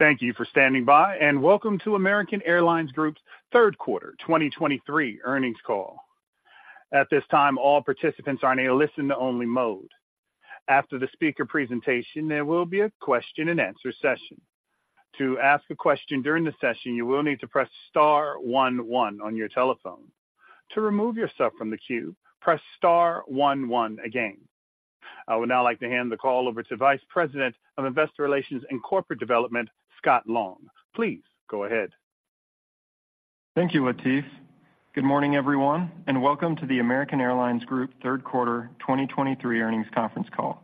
Thank you for standing by, and welcome to American Airlines Group's third quarter 2023 earnings call. At this time, all participants are in a listen-only mode. After the speaker presentation, there will be a question-and-answer session. To ask a question during the session, you will need to press star one one on your telephone. To remove yourself from the queue, press star one one again. I would now like to hand the call over to Vice President of Investor Relations and Corporate Development, Scott Long. Please go ahead. Thank you, Latif. Good morning, everyone, and welcome to the American Airlines Group third quarter 2023 earnings conference call.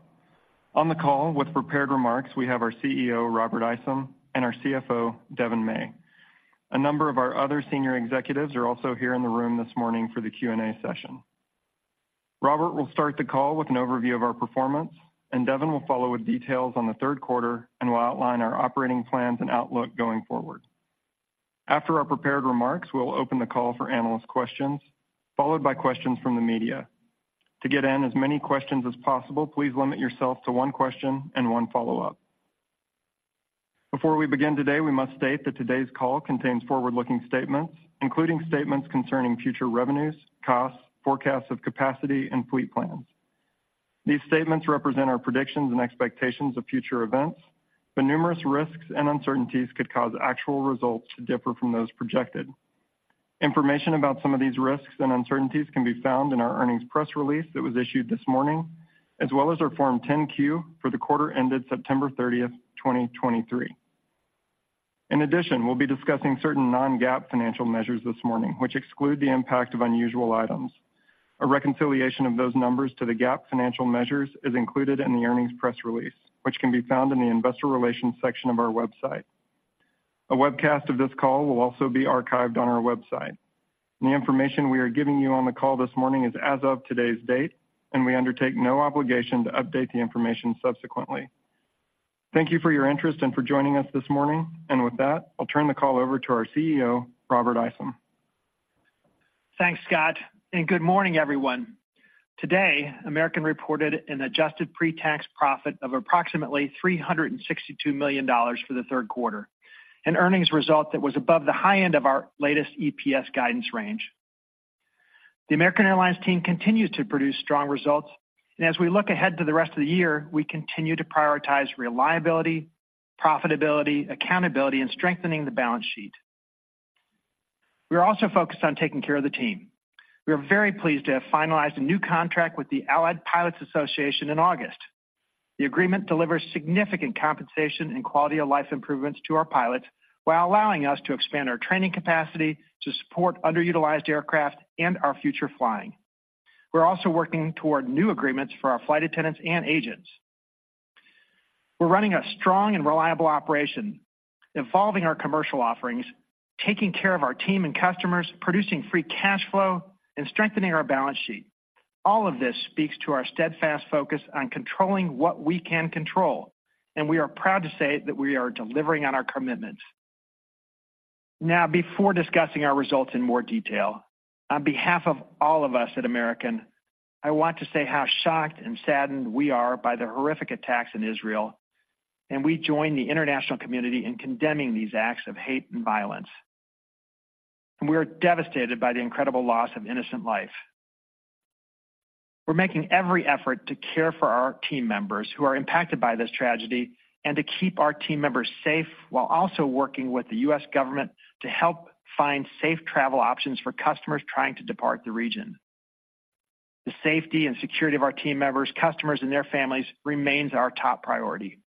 On the call with prepared remarks, we have our CEO, Robert Isom, and our CFO, Devon May. A number of our other senior executives are also here in the room this morning for the Q&A session. Robert will start the call with an overview of our performance, and Devon will follow with details on the third quarter and will outline our operating plans and outlook going forward. After our prepared remarks, we'll open the call for analyst questions, followed by questions from the media. To get in as many questions as possible, please limit yourself to one question and one follow-up. Before we begin today, we must state that today's call contains forward-looking statements, including statements concerning future revenues, costs, forecasts of capacity, and fleet plans. These statements represent our predictions and expectations of future events, but numerous risks and uncertainties could cause actual results to differ from those projected. Information about some of these risks and uncertainties can be found in our earnings press release that was issued this morning, as well as our Form 10-Q for the quarter ended September 30, 2023. In addition, we'll be discussing certain non-GAAP financial measures this morning, which exclude the impact of unusual items. A reconciliation of those numbers to the GAAP financial measures is included in the earnings press release, which can be found in the investor relations section of our website. A webcast of this call will also be archived on our website. The information we are giving you on the call this morning is as of today's date, and we undertake no obligation to update the information subsequently. Thank you for your interest and for joining us this morning. With that, I'll turn the call over to our CEO, Robert Isom. Thanks, Scott, and good morning, everyone. Today, American reported an adjusted pre-tax profit of approximately $362 million for the third quarter, an earnings result that was above the high end of our latest EPS guidance range. The American Airlines team continues to produce strong results, and as we look ahead to the rest of the year, we continue to prioritize reliability, profitability, accountability, and strengthening the balance sheet. We are also focused on taking care of the team. We are very pleased to have finalized a new contract with the Allied Pilots Association in August. The agreement delivers significant compensation and quality-of-life improvements to our pilots while allowing us to expand our training capacity to support underutilized aircraft and our future flying. We're also working toward new agreements for our flight attendants and agents. We're running a strong and reliable operation, evolving our commercial offerings, taking care of our team and customers, producing free cash flow, and strengthening our balance sheet. All of this speaks to our steadfast focus on controlling what we can control, and we are proud to say that we are delivering on our commitments. Now, before discussing our results in more detail, on behalf of all of us at American, I want to say how shocked and saddened we are by the horrific attacks in Israel, and we join the international community in condemning these acts of hate and violence. We are devastated by the incredible loss of innocent life. We're making every effort to care for our team members who are impacted by this tragedy and to keep our team members safe while also working with the US government to help find safe travel options for customers trying to depart the region. The safety and security of our team members, customers, and their families remains our top priority.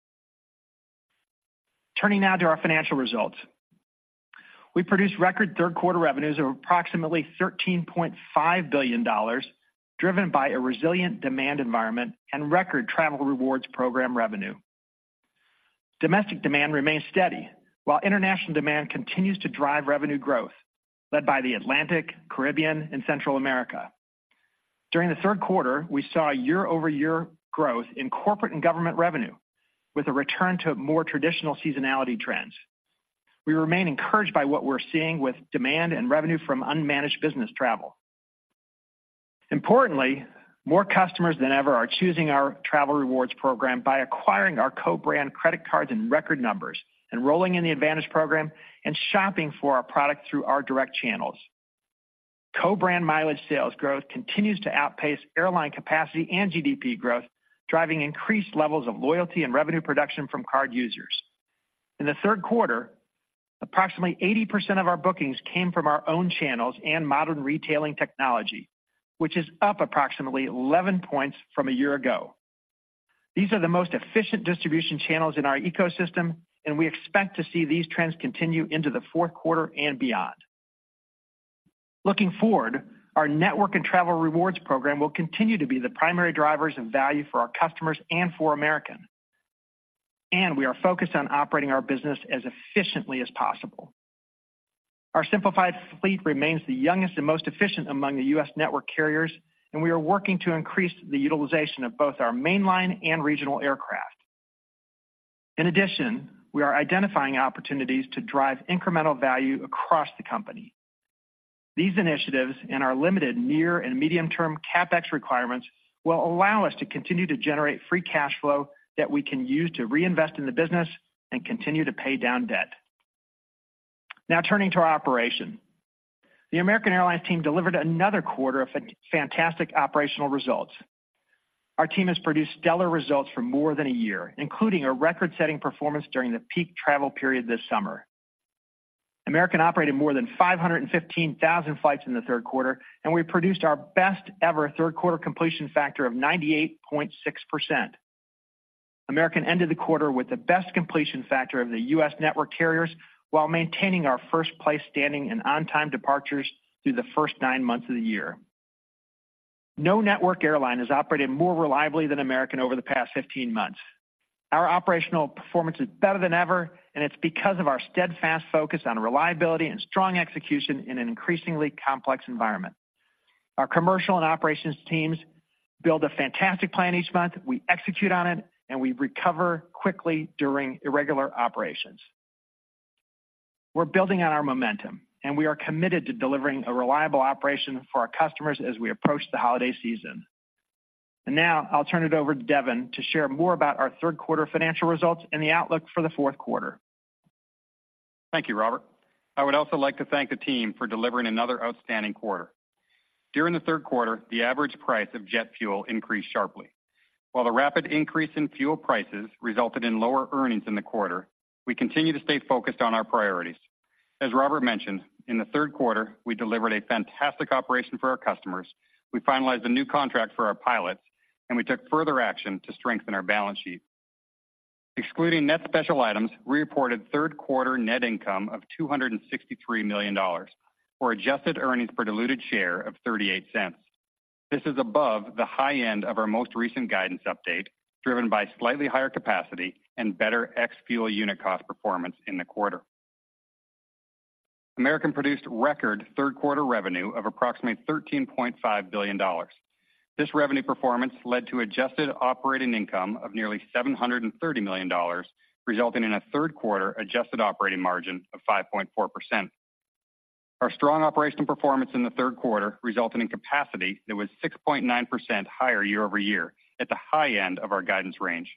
Turning now to our financial results. We produced record third-quarter revenues of approximately $13.5 billion, driven by a resilient demand environment and record travel rewards program revenue. Domestic demand remains steady, while international demand continues to drive revenue growth, led by the Atlantic, Caribbean, and Central America. During the third quarter, we saw year-over-year growth in corporate and government revenue, with a return to more traditional seasonality trends. We remain encouraged by what we're seeing with demand and revenue from unmanaged business travel. Importantly, more customers than ever are choosing our travel rewards program by acquiring our co-brand credit cards in record numbers, enrolling in the AAdvantage program, and shopping for our product through our direct channels. Co-brand mileage sales growth continues to outpace airline capacity and GDP growth, driving increased levels of loyalty and revenue production from card users. In the third quarter, approximately 80% of our bookings came from our own channels and modern retailing technology, which is up approximately 11 points from a year ago. These are the most efficient distribution channels in our ecosystem, and we expect to see these trends continue into the fourth quarter and beyond. Looking forward, our network and travel rewards program will continue to be the primary drivers of value for our customers and for American, and we are focused on operating our business as efficiently as possible. Our simplified fleet remains the youngest and most efficient among the US network carriers, and we are working to increase the utilization of both our mainline and regional aircraft. In addition, we are identifying opportunities to drive incremental value across the company.. These initiatives and our limited near and medium-term CapEx requirements will allow us to continue to generate free cash flow that we can use to reinvest in the business and continue to pay down debt. Now, turning to our operation. The American Airlines team delivered another quarter of fantastic operational results. Our team has produced stellar results for more than a year, including a record-setting performance during the peak travel period this summer. American operated more than 515,000 flights in the third quarter, and we produced our best-ever third quarter completion factor of 98.6%. American ended the quarter with the best completion factor of the US network carriers, while maintaining our first-place standing in on-time departures through the first nine months of the year. No network airline has operated more reliably than American over the past 15 months. Our operational performance is better than ever, and it's because of our steadfast focus on reliability and strong execution in an increasingly complex environment. Our commercial and operations teams build a fantastic plan each month. We execute on it, and we recover quickly during irregular operations. We're building on our momentum, and we are committed to delivering a reliable operation for our customers as we approach the holiday season. And now, I'll turn it over to Devon to share more about our third quarter financial results and the outlook for the fourth quarter. Thank you, Robert. I would also like to thank the team for delivering another outstanding quarter. During the third quarter, the average price of jet fuel increased sharply. While the rapid increase in fuel prices resulted in lower earnings in the quarter, we continue to stay focused on our priorities. As Robert mentioned, in the third quarter, we delivered a fantastic operation for our customers, we finalized a new contract for our pilots, and we took further action to strengthen our balance sheet. Excluding net special items, we reported third quarter net income of $263 million, or adjusted earnings per diluted share of $0.38. This is above the high end of our most recent guidance update, driven by slightly higher capacity and better ex-fuel unit cost performance in the quarter. American produced record third quarter revenue of approximately $13.5 billion. This revenue performance led to adjusted operating income of nearly $730 million, resulting in a third quarter adjusted operating margin of 5.4%. Our strong operational performance in the third quarter resulted in capacity that was 6.9% higher year-over-year, at the high end of our guidance range.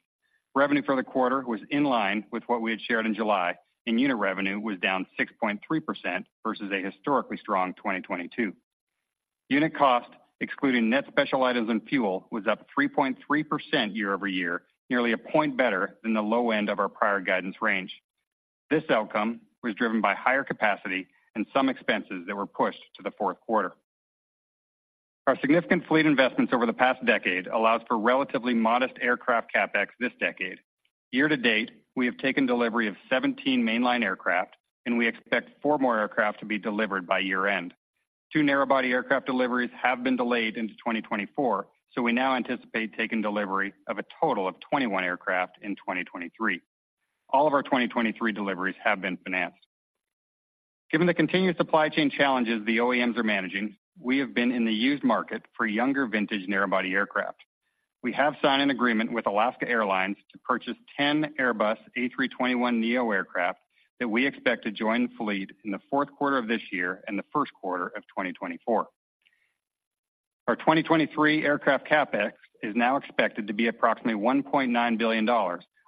Revenue for the quarter was in line with what we had shared in July, and unit revenue was down 6.3% versus a historically strong 2022. Unit cost, excluding net special items and fuel, was up 3.3% year-over-year, nearly a point better than the low end of our prior guidance range. This outcome was driven by higher capacity and some expenses that were pushed to the fourth quarter. Our significant fleet investments over the past decade allows for relatively modest aircraft CapEx this decade. Year to date, we have taken delivery of 17 mainline aircraft, and we expect four more aircraft to be delivered by year-end. Two narrow-body aircraft deliveries have been delayed into 2024, so we now anticipate taking delivery of a total of 21 aircraft in 2023. All of our 2023 deliveries have been financed. Given the continued supply chain challenges the OEMs are managing, we have been in the used market for younger vintage narrow-body aircraft. We have signed an agreement with Alaska Airlines to purchase 10 Airbus A321neo aircraft that we expect to join the fleet in the fourth quarter of this year and the first quarter of 2024. Our 2023 aircraft CapEx is now expected to be approximately $1.9 billion,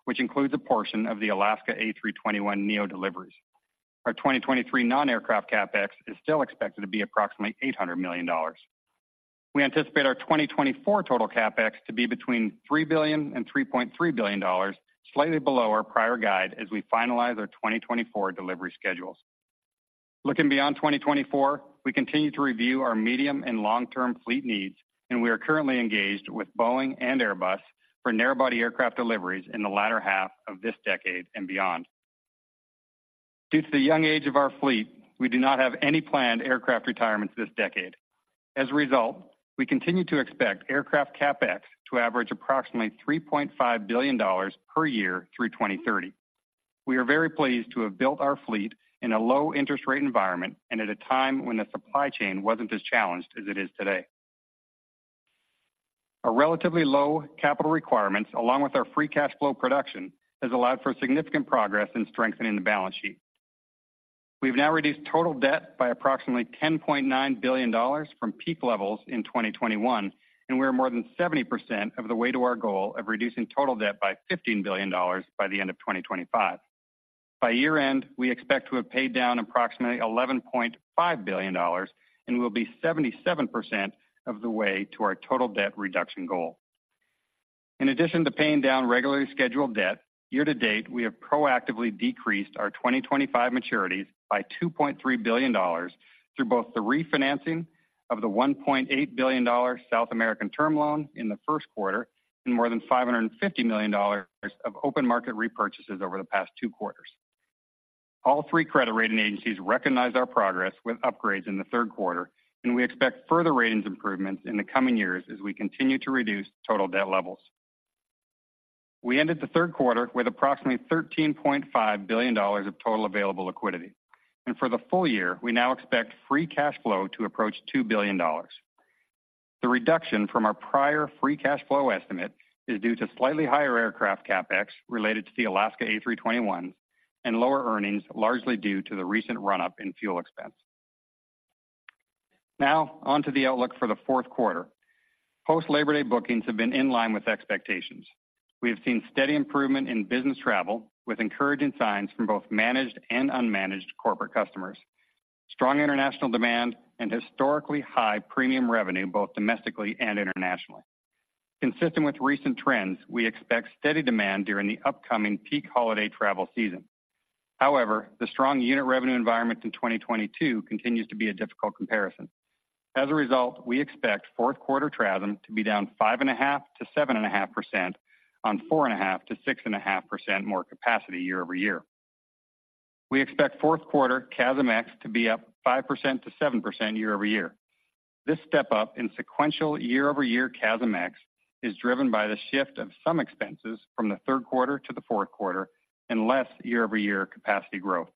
which includes a portion of the Alaska A321neo deliveries. Our 2023 non-aircraft CapEx is still expected to be approximately $800 million. We anticipate our 2024 total CapEx to be between $3 billion and $3.3 billion, slightly below our prior guide, as we finalize our 2024 delivery schedules. Looking beyond 2024, we continue to review our medium- and long-term fleet needs, and we are currently engaged with Boeing and Airbus for narrow-body aircraft deliveries in the latter half of this decade and beyond. Due to the young age of our fleet, we do not have any planned aircraft retirements this decade. As a result, we continue to expect aircraft CapEx to average approximately $3.5 billion per year through 2030. We are very pleased to have built our fleet in a low-interest rate environment and at a time when the supply chain wasn't as challenged as it is today. Our relatively low capital requirements, along with our free cash flow production, has allowed for significant progress in strengthening the balance sheet. We've now reduced total debt by approximately $10.9 billion from peak levels in 2021, and we are more than 70% of the way to our goal of reducing total debt by $15 billion by the end of 2025. By year-end, we expect to have paid down approximately $11.5 billion, and we'll be 77% of the way to our total debt reduction goal. In addition to paying down regularly scheduled debt, year to date, we have proactively decreased our 2025 maturities by $2.3 billion through both the refinancing of the $1.8 billion South American term loan in the first quarter and more than $550 million of open market repurchases over the past two quarters. All three credit rating agencies recognized our progress with upgrades in the third quarter, and we expect further ratings improvements in the coming years as we continue to reduce total debt levels. We ended the third quarter with approximately $13.5 billion of total available liquidity, and for the full year, we now expect free cash flow to approach $2 billion. The reduction from our prior free cash flow estimate is due to slightly higher aircraft CapEx related to the Alaska A321s and lower earnings, largely due to the recent run-up in fuel expense. Now, on to the outlook for the fourth quarter. Post-Labor Day bookings have been in line with expectations. We have seen steady improvement in business travel, with encouraging signs from both managed and unmanaged corporate customers, strong international demand, and historically high premium revenue, both domestically and internationally. Consistent with recent trends, we expect steady demand during the upcoming peak holiday travel season. However, the strong unit revenue environment in 2022 continues to be a difficult comparison. As a result, we expect fourth quarter TRASM to be down 5.5%-7.5% on 4.5%-6.5% more capacity year-over-year. We expect fourth quarter CASM-ex to be up 5%-7% year-over-year. This step-up in sequential year-over-year CASM-ex is driven by the shift of some expenses from the third quarter to the fourth quarter and less year-over-year capacity growth.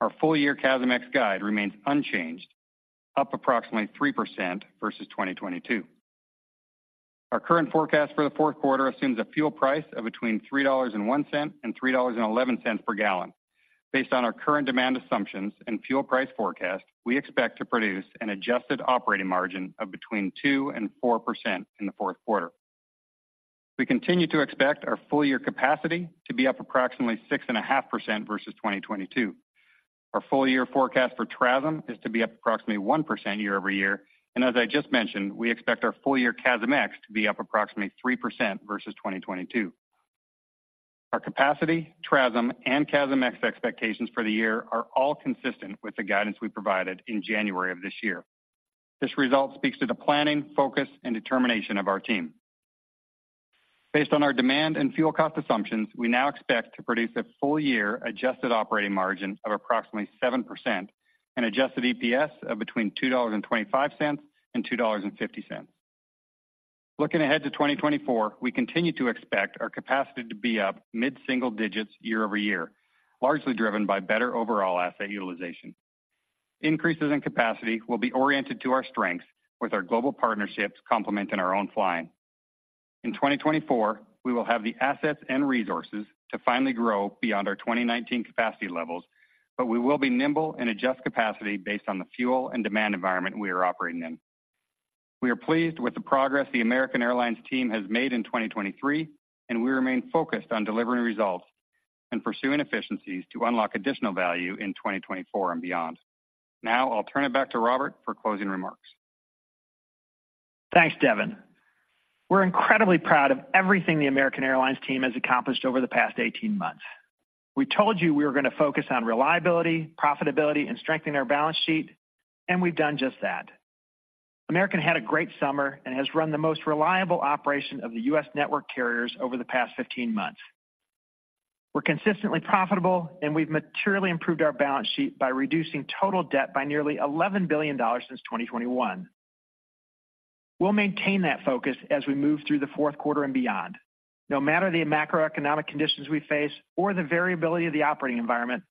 Our full-year CASM-ex guide remains unchanged, up approximately 3% versus 2022. Our current forecast for the fourth quarter assumes a fuel price of between $3.01 and $3.11 per gallon. Based on our current demand assumptions and fuel price forecast, we expect to produce an adjusted operating margin of between 2% and 4% in the fourth quarter. We continue to expect our full-year capacity to be up approximately 6.5% versus 2022. Our full-year forecast for TRASM is to be up approximately 1% year-over-year, and as I just mentioned, we expect our full-year CASM-ex to be up approximately 3% versus 2022. Our capacity, TRASM, and CASM-ex expectations for the year are all consistent with the guidance we provided in January of this year. This result speaks to the planning, focus, and determination of our team. Based on our demand and fuel cost assumptions, we now expect to produce a full-year adjusted operating margin of approximately 7% and adjusted EPS of between $2.25 and $2.50. Looking ahead to 2024, we continue to expect our capacity to be up mid-single digits year-over-year, largely driven by better overall asset utilization. Increases in capacity will be oriented to our strengths, with our global partnerships complementing our own flying. In 2024, we will have the assets and resources to finally grow beyond our 2019 capacity levels, but we will be nimble and adjust capacity based on the fuel and demand environment we are operating in. We are pleased with the progress the American Airlines team has made in 2023, and we remain focused on delivering results and pursuing efficiencies to unlock additional value in 2024 and beyond. Now I'll turn it back to Robert for closing remarks. Thanks, Devon. We're incredibly proud of everything the American Airlines team has accomplished over the past 18 months. We told you we were going to focus on reliability, profitability, and strengthening our balance sheet, and we've done just that. American had a great summer and has run the most reliable operation of the US network carriers over the past 15 months. We're consistently profitable, and we've materially improved our balance sheet by reducing total debt by nearly $11 billion since 2021. We'll maintain that focus as we move through the fourth quarter and beyond. No matter the macroeconomic conditions we face or the variability of the operating environment,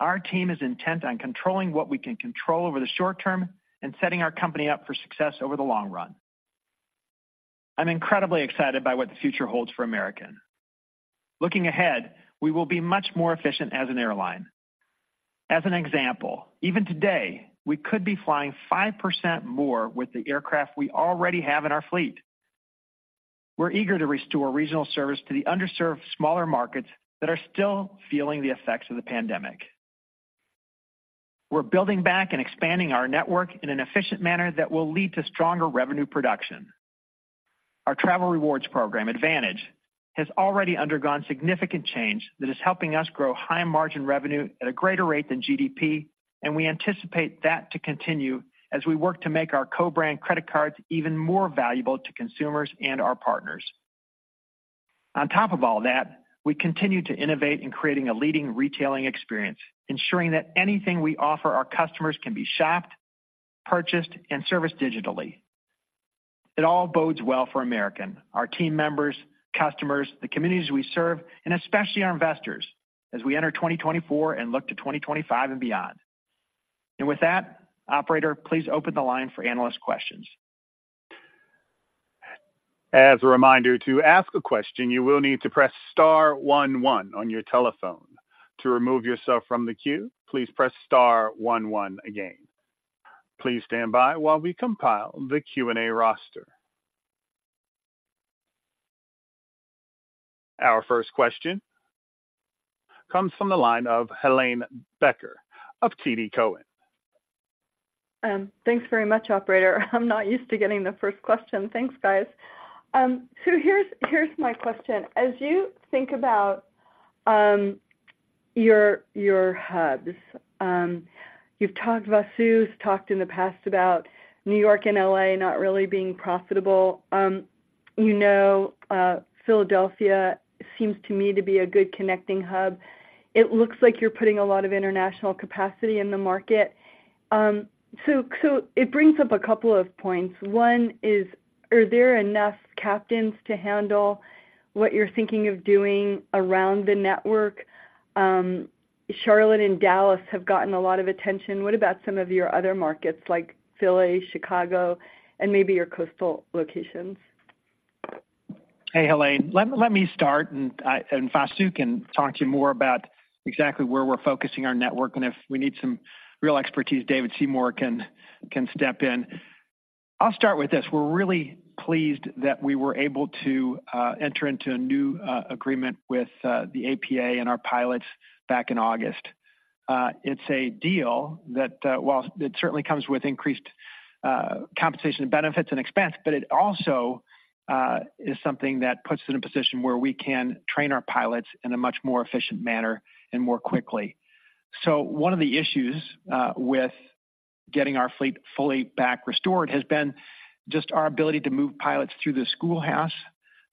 our team is intent on controlling what we can control over the short term and setting our company up for success over the long run. I'm incredibly excited by what the future holds for American. Looking ahead, we will be much more efficient as an airline. As an example, even today, we could be flying 5% more with the aircraft we already have in our fleet. We're eager to restore regional service to the underserved, smaller markets that are still feeling the effects of the pandemic. We're building back and expanding our network in an efficient manner that will lead to stronger revenue production. Our travel rewards program, AAdvantage, has already undergone significant change that is helping us grow high-margin revenue at a greater rate than GDP, and we anticipate that to continue as we work to make our co-brand credit cards even more valuable to consumers and our partners. On top of all that, we continue to innovate in creating a leading retailing experience, ensuring that anything we offer our customers can be shopped, purchased, and serviced digitally. It all bodes well for American, our team members, customers, the communities we serve, and especially our investors as we enter 2024 and look to 2025 and beyond. With that, operator, please open the line for analyst questions. As a reminder, to ask a question, you will need to press star one, one on your telephone. To remove yourself from the queue, please press star one one again. Please stand by while we compile the Q&A roster. Our first question comes from the line of Helane Becker of TD Cowen. Thanks very much, operator. I'm not used to getting the first question. Thanks, guys. So here's my question. As you think about your hubs, you've talked about, Sue's talked in the past about New York and L.A. not really being profitable. You know, Philadelphia seems to me to be a good connecting hub. It looks like you're putting a lot of international capacity in the market. So it brings up a couple of points. One is, are there enough captains to handle what you're thinking of doing around the network? Charlotte and Dallas have gotten a lot of attention. What about some of your other markets, like Philly, Chicago, and maybe your coastal locations? Hey, Helane. Let me start, and Vasu can talk to you more about exactly where we're focusing our network, and if we need some real expertise, David Seymour can step in. I'll start with this: We're really pleased that we were able to enter into a new agreement with the APA and our pilots back in August. It's a deal that, while it certainly comes with increased compensation and benefits and expense, but it also is something that puts us in a position where we can train our pilots in a much more efficient manner and more quickly. So one of the issues with getting our fleet fully back restored has been just our ability to move pilots through the schoolhouse.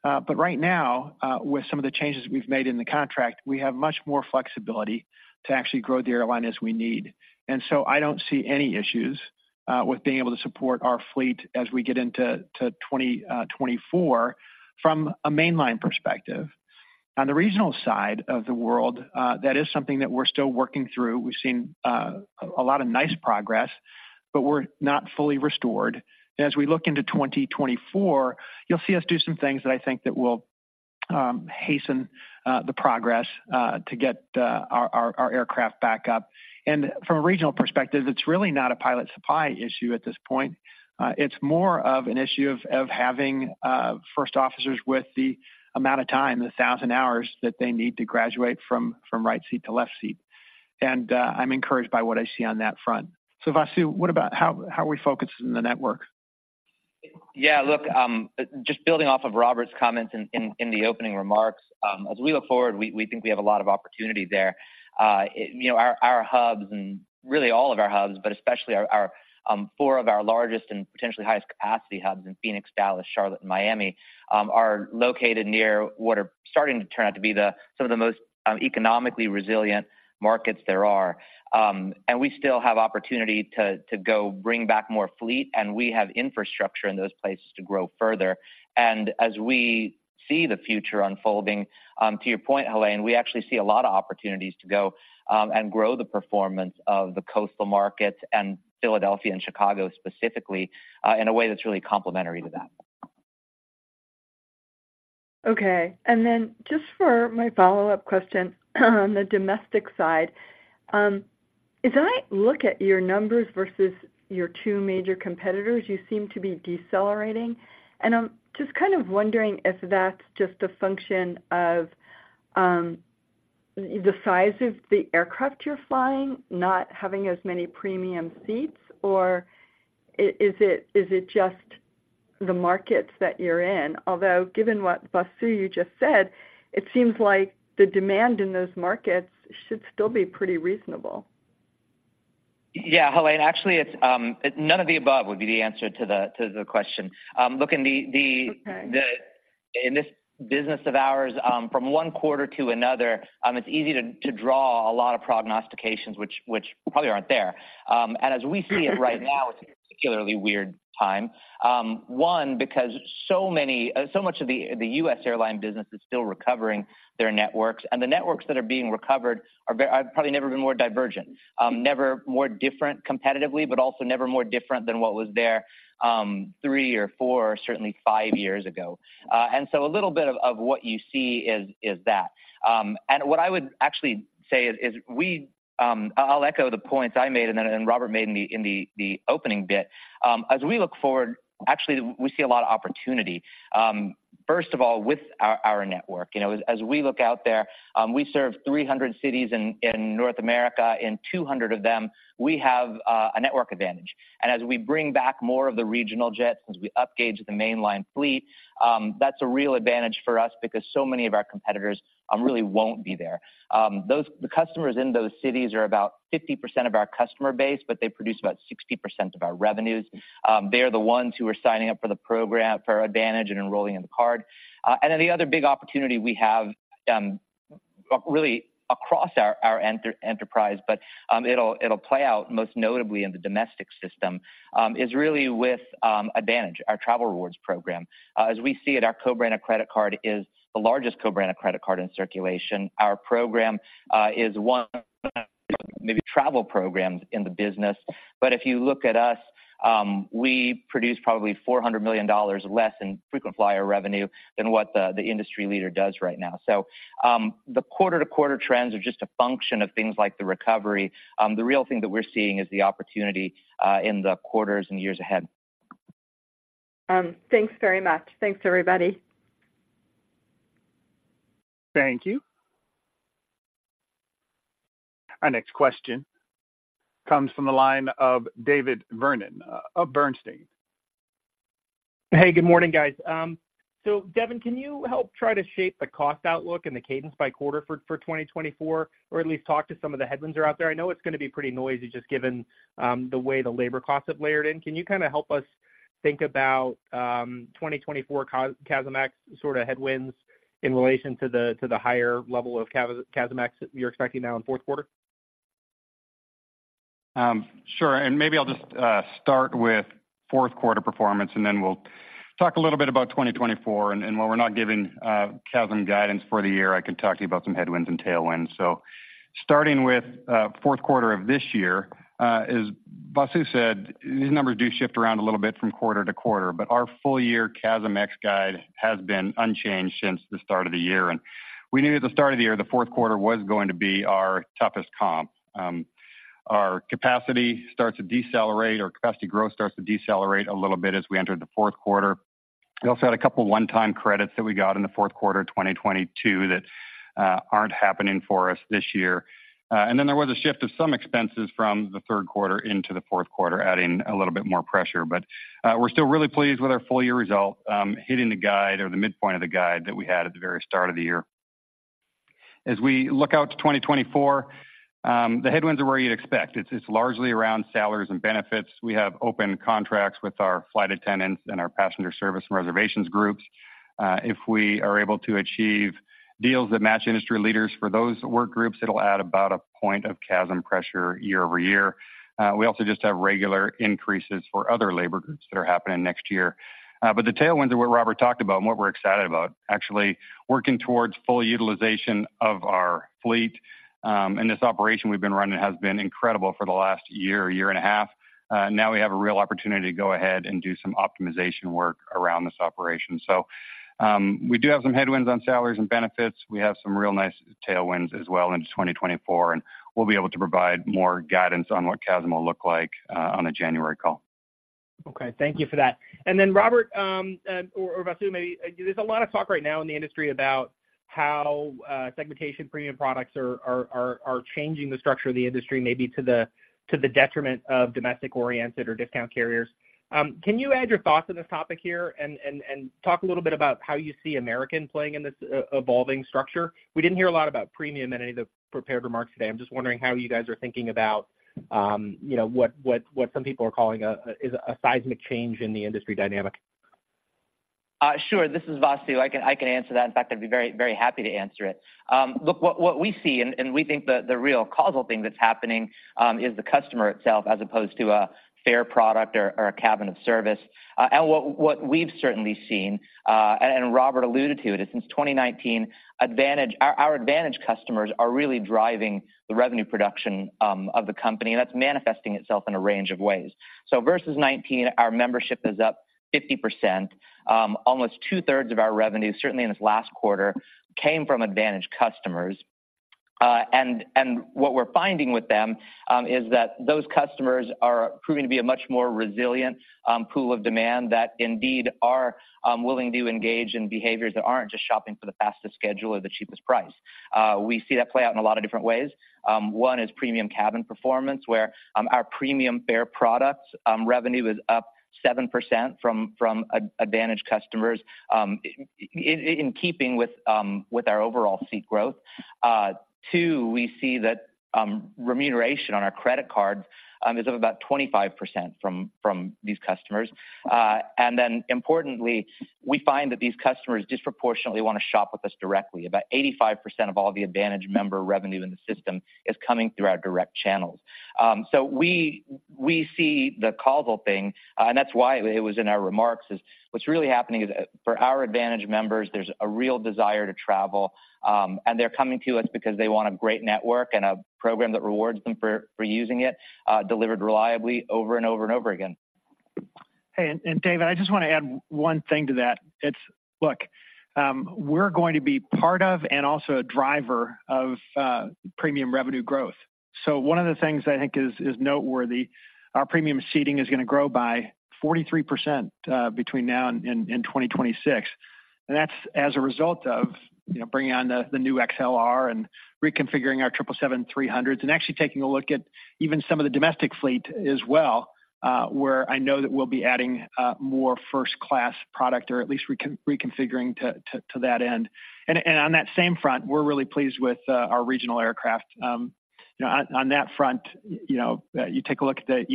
But right now, with some of the changes we've made in the contract, we have much more flexibility to actually grow the airline as we need. And so I don't see any issues with being able to support our fleet as we get into 2024 from a mainline perspective. On the regional side of the world, that is something that we're still working through. We've seen a lot of nice progress, but we're not fully restored. As we look into 2024, you'll see us do some things that I think that will hasten the progress to get our aircraft back up. And from a regional perspective, it's really not a pilot supply issue at this point. It's more of an issue of having first officers with the amount of time, the 1,000 hours that they need to graduate from right seat to left seat. And, I'm encouraged by what I see on that front. So, Vasu, what about how are we focusing the network? Yeah, look, just building off of Robert's comments in the opening remarks, as we look forward, we think we have a lot of opportunity there. You know, our hubs and really all of our hubs, but especially four of our largest and potentially highest capacity hubs in Phoenix, Dallas, Charlotte, and Miami, are located near what are starting to turn out to be some of the most economically resilient markets there are. And we still have opportunity to go bring back more fleet, and we have infrastructure in those places to grow further. As we see the future unfolding, to your point, Helane, we actually see a lot of opportunities to go and grow the performance of the coastal markets and Philadelphia and Chicago, specifically, in a way that's really complementary to that. Okay, and then just for my follow-up question, on the domestic side, as I look at your numbers versus your two major competitors, you seem to be decelerating. And I'm just kind of wondering if that's just a function of the size of the aircraft you're flying, not having as many premium seats, or is it just the markets that you're in? Although, given what, Vasu, you just said, it seems like the demand in those markets should still be pretty reasonable. Yeah, Helane, actually, it's none of the above would be the answer to the question. Look, in the— Okay... in this business of ours, from one quarter to another, it's easy to draw a lot of prognostications, which probably aren't there. And as we see it right now, it's a particularly weird time. One, because so much of the US airline business is still recovering their networks, and the networks that are being recovered have probably never been more divergent. Never more different competitively, but also never more different than what was there three or four, or certainly five years ago. And so a little bit of what you see is that. And what I would actually say is we... I'll echo the points I made and then, and Robert made in the opening bit. As we look forward, actually, we see a lot of opportunity. First of all, with our network. You know, as we look out there, we serve 300 cities in North America. In 200 of them, we have a network advantage. And as we bring back more of the regional jets, as we up gauge the mainline fleet, that's a real advantage for us because so many of our competitors really won't be there. The customers in those cities are about 50% of our customer base, but they produce about 60% of our revenues. They are the ones who are signing up for the program, for AAdvantage and enrolling in the card. And then the other big opportunity we have, really across our enterprise, but it'll play out most notably in the domestic system, is really with AAdvantage, our travel rewards program. As we see it, our co-branded credit card is the largest co-branded credit card in circulation. Our program is one of maybe travel programs in the business. But if you look at us, we produce probably $400 million less in frequent flyer revenue than what the industry leader does right now. So, the quarter-to-quarter trends are just a function of things like the recovery. The real thing that we're seeing is the opportunity in the quarters and years ahead. Thanks very much. Thanks, everybody. Thank you. Our next question comes from the line of David Vernon of Bernstein. Hey, good morning, guys. So Devon, can you help try to shape the cost outlook and the cadence by quarter for 2024, or at least talk to some of the headwinds that are out there? I know it's gonna be pretty noisy just given the way the labor costs have layered in. Can you kind of help us think about 2024 CASM-ex sort of headwinds in relation to the higher level of CASM-ex you're expecting now in fourth quarter? Sure, and maybe I'll just start with fourth quarter performance, and then we'll talk a little bit about 2024. And while we're not giving CASM guidance for the year, I can talk to you about some headwinds and tailwinds. So starting with fourth quarter of this year, as Vasu said, these numbers do shift around a little bit from quarter to quarter, but our full-year CASM-ex guide has been unchanged since the start of the year. And we knew at the start of the year, the fourth quarter was going to be our toughest comp. Our capacity starts to decelerate, or capacity growth starts to decelerate a little bit as we entered the fourth quarter. We also had a couple one-time credits that we got in the fourth quarter of 2022 that aren't happening for us this year. Then there was a shift of some expenses from the third quarter into the fourth quarter, adding a little bit more pressure. We're still really pleased with our full-year result, hitting the guide or the midpoint of the guide that we had at the very start of the year. As we look out to 2024, the headwinds are where you'd expect. It's largely around salaries and benefits. We have open contracts with our flight attendants and our passenger service and reservations groups. If we are able to achieve deals that match industry leaders for those work groups, it'll add about a point of CASM pressure year-over-year. We also just have regular increases for other labor groups that are happening next year. The tailwinds are what Robert talked about and what we're excited about. Actually working towards full utilization of our fleet, and this operation we've been running has been incredible for the last year, year and a half. Now we have a real opportunity to go ahead and do some optimization work around this operation. So, we do have some headwinds on salaries and benefits. We have some real nice tailwinds as well into 2024, and we'll be able to provide more guidance on what CASM will look like, on a January call. Okay, thank you for that. Then Robert, Vasu, maybe, there's a lot of talk right now in the industry about how segmentation premium products are changing the structure of the industry, maybe to the detriment of domestic-oriented or discount carriers. Can you add your thoughts on this topic here and talk a little bit about how you see American playing in this evolving structure? We didn't hear a lot about premium in any of the prepared remarks today. I'm just wondering how you guys are thinking about, you know, what some people are calling a seismic change in the industry dynamic. Sure. This is Vasu. I can, I can answer that. In fact, I'd be very, very happy to answer it. Look, what, what we see, and, and we think the, the real causal thing that's happening, is the customer itself, as opposed to a fare product or, or a cabin of service. And what, what we've certainly seen, and, and Robert alluded to, is since 2019, AAdvantage... Our, our AAdvantage customers are really driving the revenue production, of the company, and that's manifesting itself in a range of ways. So versus 2019, our membership is up 50%. Almost two-thirds of our revenue, certainly in this last quarter, came from AAdvantage customers. What we're finding with them is that those customers are proving to be a much more resilient pool of demand that indeed are willing to engage in behaviors that aren't just shopping for the fastest schedule or the cheapest price. We see that play out in a lot of different ways. One is premium cabin performance, where our premium fare products revenue is up 7% from AAdvantage customers, in keeping with our overall seat growth. Two, we see that revenue on our credit cards is up about 25% from these customers. And then importantly, we find that these customers disproportionately want to shop with us directly. About 85% of all the AAdvantage member revenue in the system is coming through our direct channels. So we see the causal thing, and that's why it was in our remarks, is what's really happening is for our AAdvantage members, there's a real desire to travel, and they're coming to us because they want a great network and a program that rewards them for using it, delivered reliably over and over and over again. Hey, David, I just want to add one thing to that. It's, look, we're going to be part of, and also a driver of, premium revenue growth. So one of the things I think is noteworthy, our premium seating is gonna grow by 43%, between now and 2026. And that's as a result of, you know, bringing on the new XLR and reconfiguring our 777-300ER, and actually taking a look at even some of the domestic fleet as well, where I know that we'll be adding more first-class product or at least reconfiguring to that end. And on that same front, we're really pleased with our regional aircraft. You know, on that front, you know, you take a look at the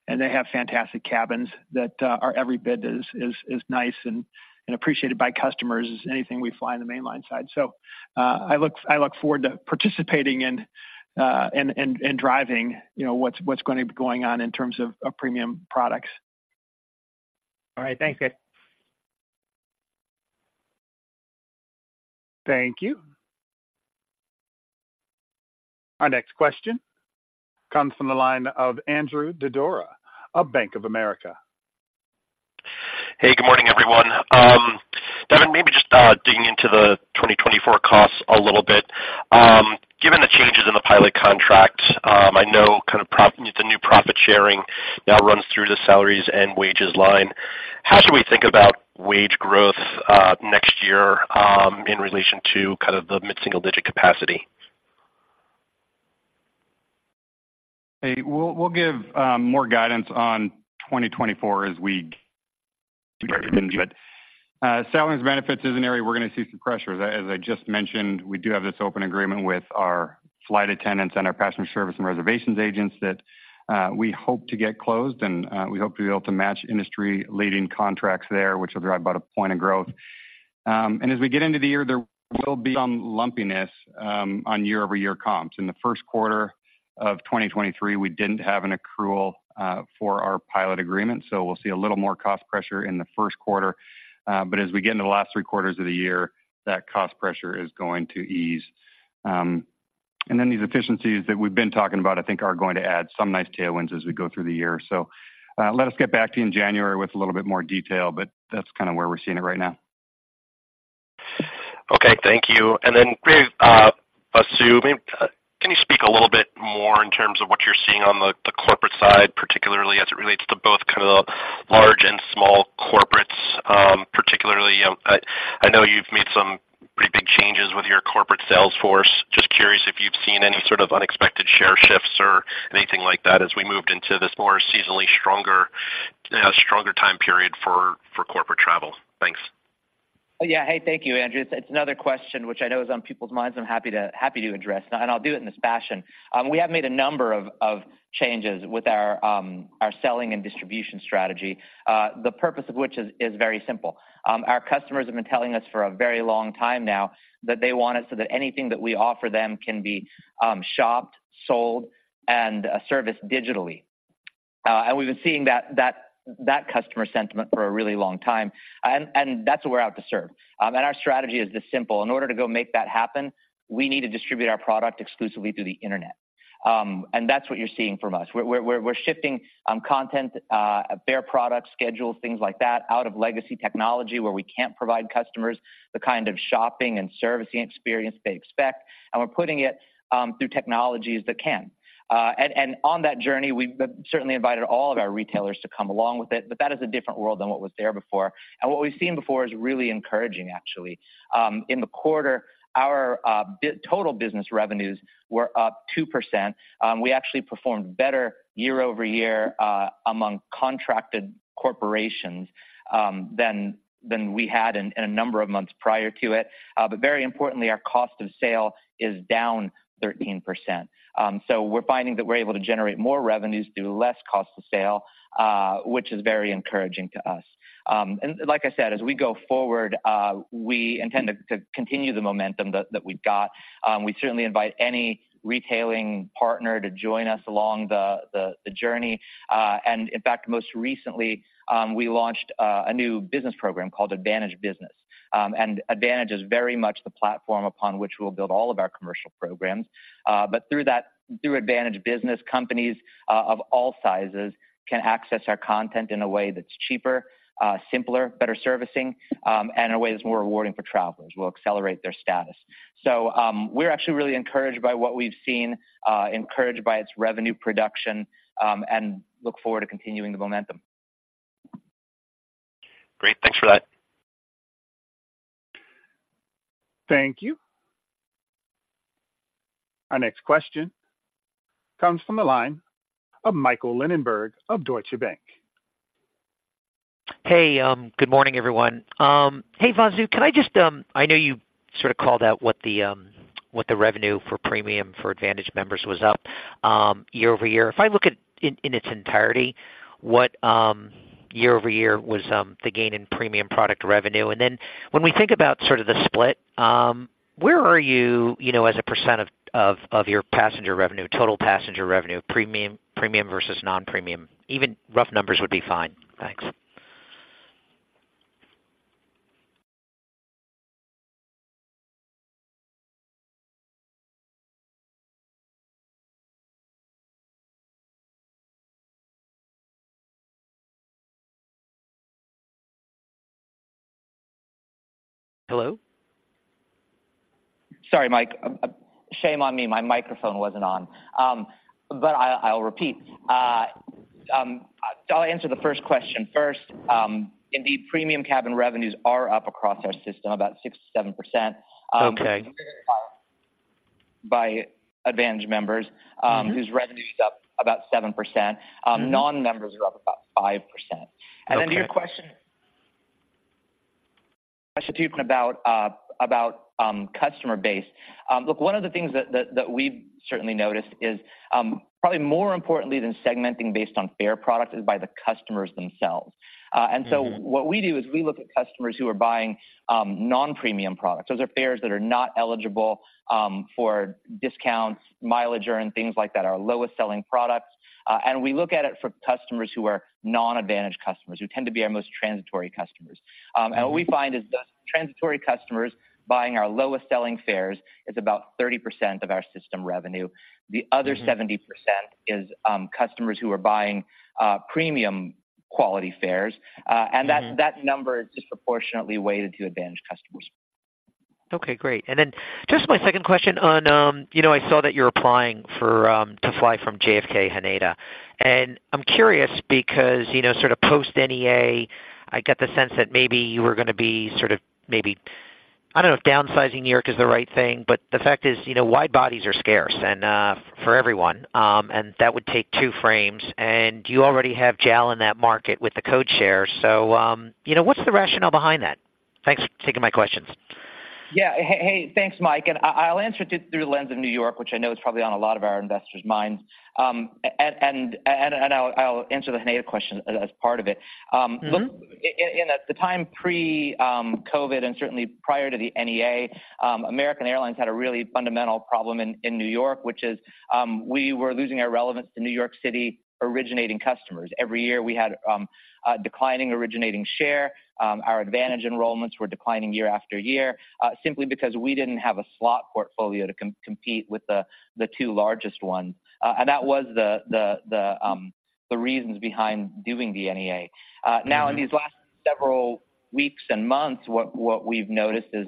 E175, and they have fantastic cabins that are every bit as nice and appreciated by customers as anything we fly on the mainline side. So, I look forward to participating and driving, you know, what's gonna be going on in terms of premium products. All right. Thanks, guys. Thank you. Our next question comes from the line of Andrew Didora of Bank of America. Hey, good morning, everyone. David, maybe just digging into the 2024 costs a little bit. Given the changes in the pilot contract, I know kind of the new profit sharing now runs through the salaries and wages line. How should we think about wage growth next year in relation to kind of the mid-single-digit capacity? Hey, we'll give more guidance on 2024 as we... But salaries and benefits is an area we're gonna see some pressure. As I just mentioned, we do have this open agreement with our flight attendants and our passenger service and reservations agents that we hope to get closed, and we hope to be able to match industry-leading contracts there, which will drive about a point of growth. And as we get into the year, there will be some lumpiness on year-over-year comps. In the first quarter of 2023, we didn't have an accrual for our pilot agreement, so we'll see a little more cost pressure in the first quarter. But as we get into the last three quarters of the year, that cost pressure is going to ease. And then these efficiencies that we've been talking about, I think are going to add some nice tailwinds as we go through the year. So, let us get back to you in January with a little bit more detail, but that's kind of where we're seeing it right now. Okay, thank you. And then, Savi, can you speak a little bit more in terms of what you're seeing on the corporate side, particularly as it relates to both kind of the large and small corporates? Particularly, you know, I know you've made some pretty big changes with your corporate sales force. Just curious if you've seen any sort of unexpected share shifts or anything like that as we moved into this more seasonally stronger time period for corporate travel. Thanks. Yeah. Hey, thank you, Andrew. It's another question which I know is on people's minds. I'm happy to address, and I'll do it in this fashion. We have made a number of changes with our selling and distribution strategy, the purpose of which is very simple. Our customers have been telling us for a very long time now that they want it, so that anything that we offer them can be shopped, sold, and serviced digitally. And we've been seeing that customer sentiment for a really long time, and that's what we're out to serve. And our strategy is this simple: In order to go make that happen, we need to distribute our product exclusively through the internet. And that's what you're seeing from us. We're shifting content, fare products, schedules, things like that, out of legacy technology, where we can't provide customers the kind of shopping and servicing experience they expect, and we're putting it through technologies that can. And on that journey, we've certainly invited all of our retailers to come along with it, but that is a different world than what was there before. And what we've seen before is really encouraging, actually. In the quarter, our total business revenues were up 2%. We actually performed better year-over-year among contracted corporations than we had in a number of months prior to it. But very importantly, our cost of sale is down 13%. So we're finding that we're able to generate more revenues through less cost of sale, which is very encouraging to us. And like I said, as we go forward, we intend to continue the momentum that we've got. We certainly invite any retailing partner to join us along the journey. And in fact, most recently, we launched a new business program called AAdvantage Business. And AAdvantage is very much the platform upon which we'll build all of our commercial programs. But through that, through AAdvantage Business, companies of all sizes can access our content in a way that's cheaper, simpler, better servicing, and a way that's more rewarding for travelers. We'll accelerate their status. We're actually really encouraged by what we've seen, encouraged by its revenue production, and look forward to continuing the momentum. Great. Thanks for that. Thank you. Our next question comes from the line of Michael Linenberg of Deutsche Bank. Hey, good morning, everyone. Hey, Vasu, can I just... I know you sort of called out what the revenue for premium for AAdvantage members was up year-over-year. If I look at it in its entirety, what year-over-year was the gain in premium product revenue? And then when we think about sort of the split, where are you, you know, as a percent of your passenger revenue, total passenger revenue, premium versus non-premium? Even rough numbers would be fine. Thanks. Hello? Sorry, Mike. Shame on me, my microphone wasn't on. But I'll repeat. I'll answer the first question first. Indeed, premium cabin revenues are up across our system, about 6%-7%. Okay. -by AAdvantage members, Mm-hmm. -whose revenue is up about 7%. Mm-hmm. Non-members are up about 5%. Okay. And then to your question about customer base. Look, one of the things that we've certainly noticed is probably more importantly than segmenting based on fare product is by the customers themselves. Mm-hmm. So what we do is we look at customers who are buying non-premium products. Those are fares that are not eligible for discounts, mileage, and things like that, our lowest selling products. We look at it for customers who are non-AAdvantage customers, who tend to be our most transitory customers. What we find is the transitory customers buying our lowest selling fares is about 30% of our system revenue. Mm-hmm. The other 70% is customers who are buying premium quality fares. Mm-hmm. And that number is disproportionately weighted to AAdvantage customers. Okay, great. And then just my second question on, you know, I saw that you're applying for to fly from JFK-Haneda. And I'm curious because, you know, sort of post-NEA, I get the sense that maybe you were gonna be sort of maybe, I don't know if downsizing New York is the right thing, but the fact is, you know, wide bodies are scarce and for everyone, and that would take two frames, and you already have JAL in that market with the code share. So, you know, what's the rationale behind that? Thanks for taking my questions. Yeah. Hey, thanks, Mike, and I'll answer it through the lens of New York, which I know is probably on a lot of our investors' minds. And I'll answer the Haneda question as part of it. Mm-hmm. In the time pre-COVID, and certainly prior to the NEA, American Airlines had a really fundamental problem in New York, which is, we were losing our relevance to New York City-originating customers. Every year, we had declining originating share. Our AAdvantage enrollments were declining year after year, simply because we didn't have a slot portfolio to compete with the two largest ones. And that was the reasons behind doing the NEA. Now, in these last several weeks and months, what we've noticed is,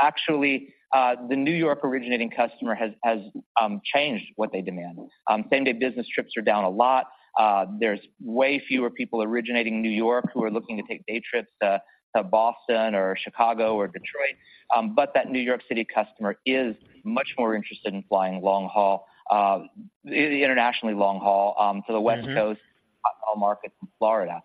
actually, the New York-originating customer has changed what they demand. Same-day business trips are down a lot. There's way fewer people originating in New York who are looking to take day trips to Boston, or Chicago, or Detroit. But that New York City customer is much more interested in flying long haul, internationally long haul, to the West- Mm-hmm... Coast markets in Florida.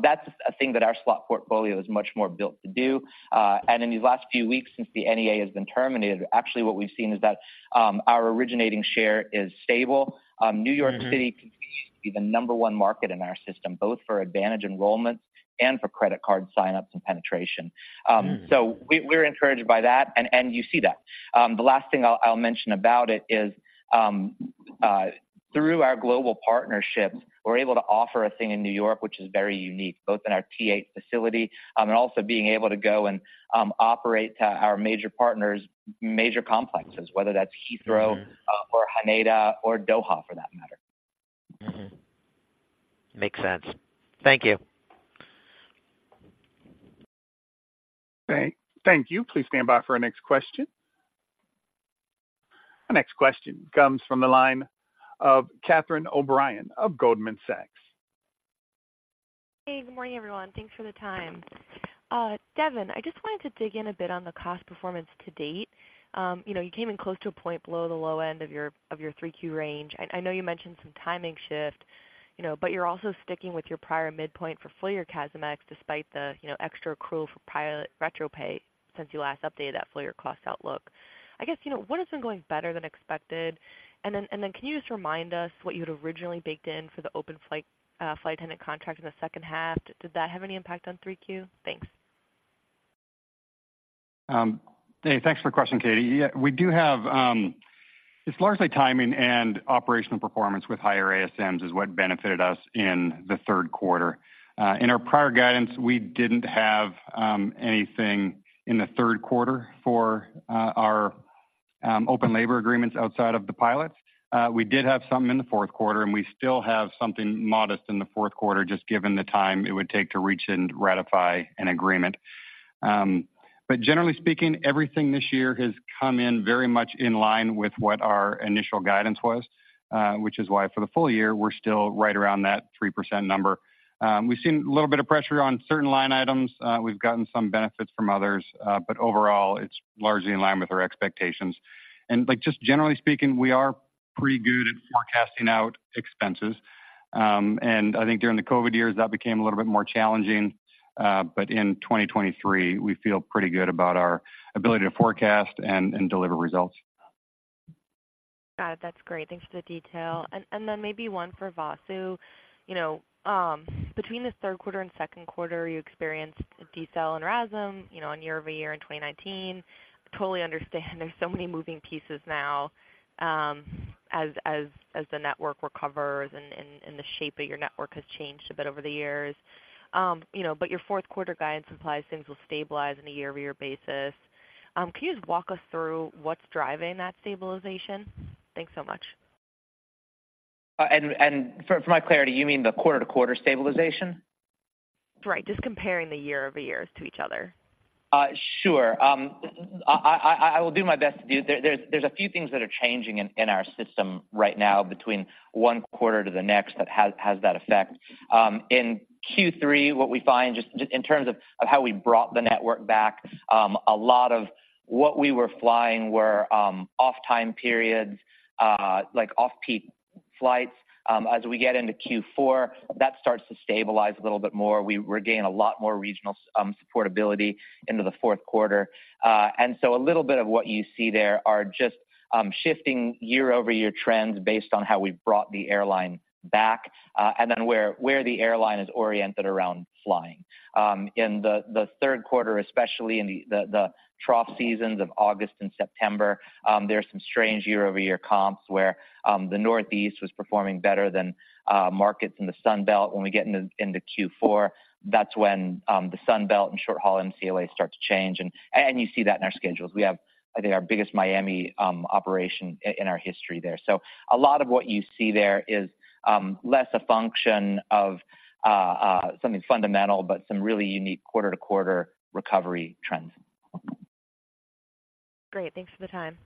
That's a thing that our slot portfolio is much more built to do. And in these last few weeks since the NEA has been terminated, actually, what we've seen is that our originating share is stable. New York City- Mm-hmm... continues to be the number one market in our system, both for AAdvantage enrollments and for credit card sign-ups and penetration. Mm. So we're encouraged by that, and you see that. The last thing I'll mention about it is, through our global partnerships, we're able to offer a thing in New York which is very unique, both in our T8 facility, and also being able to go and operate our major partners' major complexes, whether that's Heathrow- Mm-hmm... or Haneda or Doha, for that matter. Mm-hmm. Makes sense. Thank you. Thank you. Please stand by for our next question. Our next question comes from the line of Catherine O'Brien of Goldman Sachs. Hey, good morning, everyone. Thanks for the time. Devon, I just wanted to dig in a bit on the cost performance to date. You know, you came in close to a point below the low end of your 3Q range. I know you mentioned some timing shift, you know, but you're also sticking with your prior midpoint for full year CASM-ex, despite the, you know, extra accrual for pilot retro pay since you last updated that full year cost outlook. I guess, you know, what has been going better than expected? And then can you just remind us what you had originally baked in for the open flight attendant contract in the second half? Did that have any impact on 3Q? Thanks. Hey, thanks for the question, Katie. Yeah, we do have... It's largely timing and operational performance with higher ASMs is what benefited us in the third quarter. In our prior guidance, we didn't have anything in the third quarter for our open labor agreements outside of the pilots. We did have something in the fourth quarter, and we still have something modest in the fourth quarter, just given the time it would take to reach and ratify an agreement. But generally speaking, everything this year has come in very much in line with what our initial guidance was, which is why, for the full year, we're still right around that 3% number. We've seen a little bit of pressure on certain line items. We've gotten some benefits from others, but overall, it's largely in line with our expectations. Like, just generally speaking, we are pretty good at forecasting out expenses. I think during the COVID years, that became a little bit more challenging. But in 2023, we feel pretty good about our ability to forecast and deliver results. Got it. That's great. Thanks for the detail. And then maybe one for Vasu. You know, between the third quarter and second quarter, you experienced a decel in RASM, you know, on year-over-year in 2019. Totally understand there's so many moving pieces now, as the network recovers and the shape of your network has changed a bit over the years. You know, but your fourth quarter guidance implies things will stabilize on a year-over-year basis. Can you just walk us through what's driving that stabilization? Thanks so much. And for my clarity, you mean the quarter-to-quarter stabilization? Right, just comparing the year-over-years to each other. Sure. I will do my best to do... There's a few things that are changing in our system right now between one quarter to the next that has that effect. In Q3, what we find, just in terms of how we brought the network back, a lot of what we were flying were off-time periods, like off-peak flights. As we get into Q4, that starts to stabilize a little bit more. We're gaining a lot more regional supportability into the fourth quarter. And so a little bit of what you see there are just shifting year-over-year trends based on how we've brought the airline back, and then where the airline is oriented around flying. In the third quarter, especially in the trough seasons of August and September, there are some strange year-over-year comps where the Northeast was performing better than markets in the Sun Belt. When we get into Q4, that's when the Sun Belt and short-haul MCA start to change, and you see that in our schedules. We have, I think, our biggest Miami operation in our history there. So a lot of what you see there is less a function of something fundamental, but some really unique quarter-to-quarter recovery trends. Great. Thanks for the time.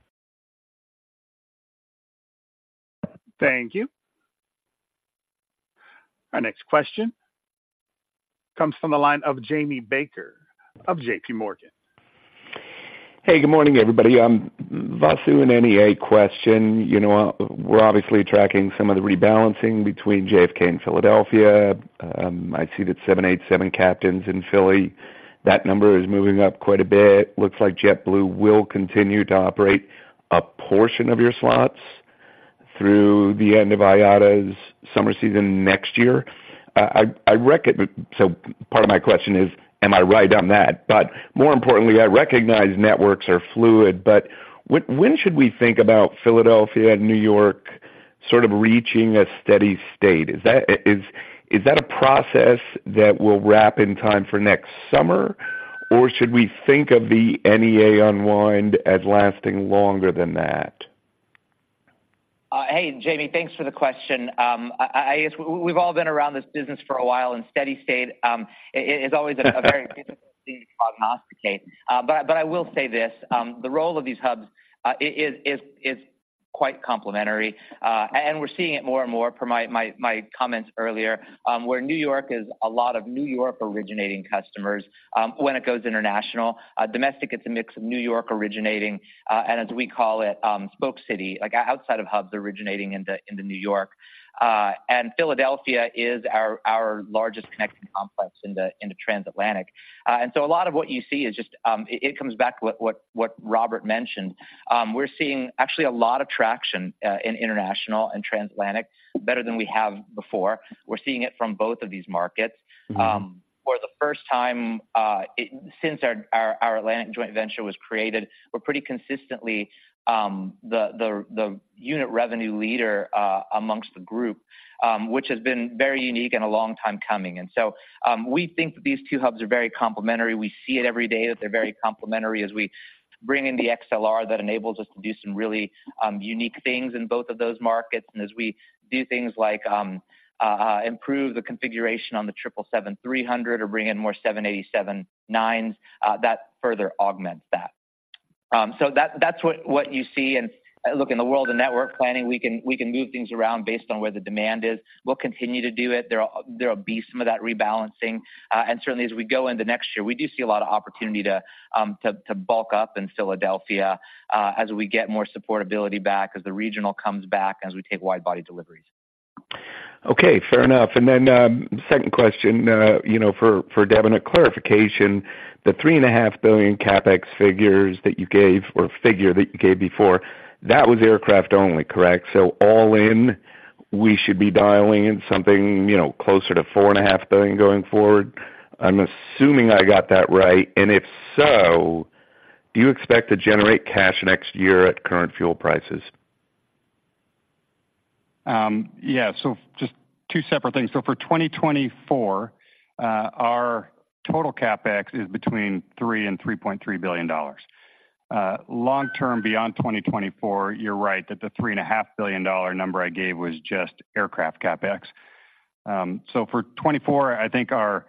Thank you. Our next question comes from the line of Jamie Baker of JPMorgan. Hey, good morning, everybody. Vasu, an NEA question. You know, we're obviously tracking some of the rebalancing between JFK and Philadelphia. I see that 787 captains in Philly, that number is moving up quite a bit. Looks like JetBlue will continue to operate a portion of your slots through the end of IATA's summer season next year. I reckon. So part of my question is, am I right on that? But more importantly, I recognize networks are fluid, but when should we think about Philadelphia and New York sort of reaching a steady state? Is that a process that will wrap in time for next summer, or should we think of the NEA unwind as lasting longer than that? Hey, Jamie, thanks for the question. I guess we've all been around this business for a while, and steady state is always a very difficult thing to prognosticate. But I will say this, the role of these hubs is quite complementary, and we're seeing it more and more per my comments earlier. Where New York is a lot of New York-originating customers when it goes international. Domestic, it's a mix of New York originating, and as we call it, spoke city, like outside of hubs originating into New York. And Philadelphia is our largest connecting complex in the transatlantic. And so a lot of what you see is just... It comes back to what Robert mentioned. We're seeing actually a lot of traction in international and transatlantic, better than we have before. We're seeing it from both of these markets. Mm-hmm. For the first time, since our Atlantic joint venture was created, we're pretty consistently the unit revenue leader amongst the group, which has been very unique and a long time coming. And so, we think that these two hubs are very complementary. We see it every day, that they're very complementary as we bring in the XLR that enables us to do some really unique things in both of those markets. And as we do things like, improve the configuration on the 777-300ER or bring in more 787-9s, that further augments that. So that, that's what you see. And look, in the world of network planning, we can move things around based on where the demand is. We'll continue to do it. There will be some of that rebalancing. And certainly as we go into next year, we do see a lot of opportunity to bulk up in Philadelphia, as we get more supportability back, as the regional comes back, as we take wide-body deliveries. Okay, fair enough. And then, second question, you know, for, for Devon, a clarification. The $3.5 billion CapEx figures that you gave, or figure that you gave before, that was aircraft only, correct? So all in, we should be dialing in something, you know, closer to $4.5 billion going forward. I'm assuming I got that right, and if so, do you expect to generate cash next year at current fuel prices? Yeah, so just two separate things. So for 2024, our total CapEx is between $3 billion and $3.3 billion. Long term, beyond 2024, you're right that the $3.5 billion number I gave was just aircraft CapEx. So for 2024, I think our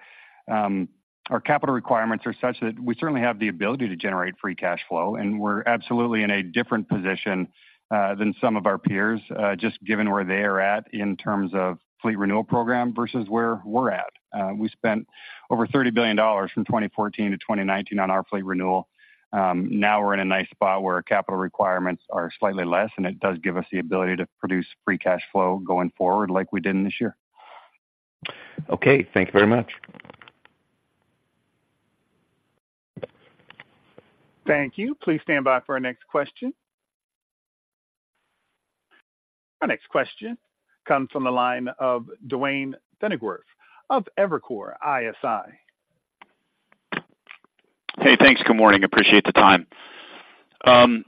capital requirements are such that we certainly have the ability to generate free cash flow, and we're absolutely in a different position than some of our peers just given where they are at in terms of fleet renewal program versus where we're at. We spent over $30 billion from 2014 to 2019 on our fleet renewal. Now we're in a nice spot where our capital requirements are slightly less, and it does give us the ability to produce free cash flow going forward like we did this year. Okay, thank you very much. Thank you. Please stand by for our next question. Our next question comes from the line of Duane Pfennigwerth of Evercore ISI. Hey, thanks. Good morning. Appreciate the time. Kind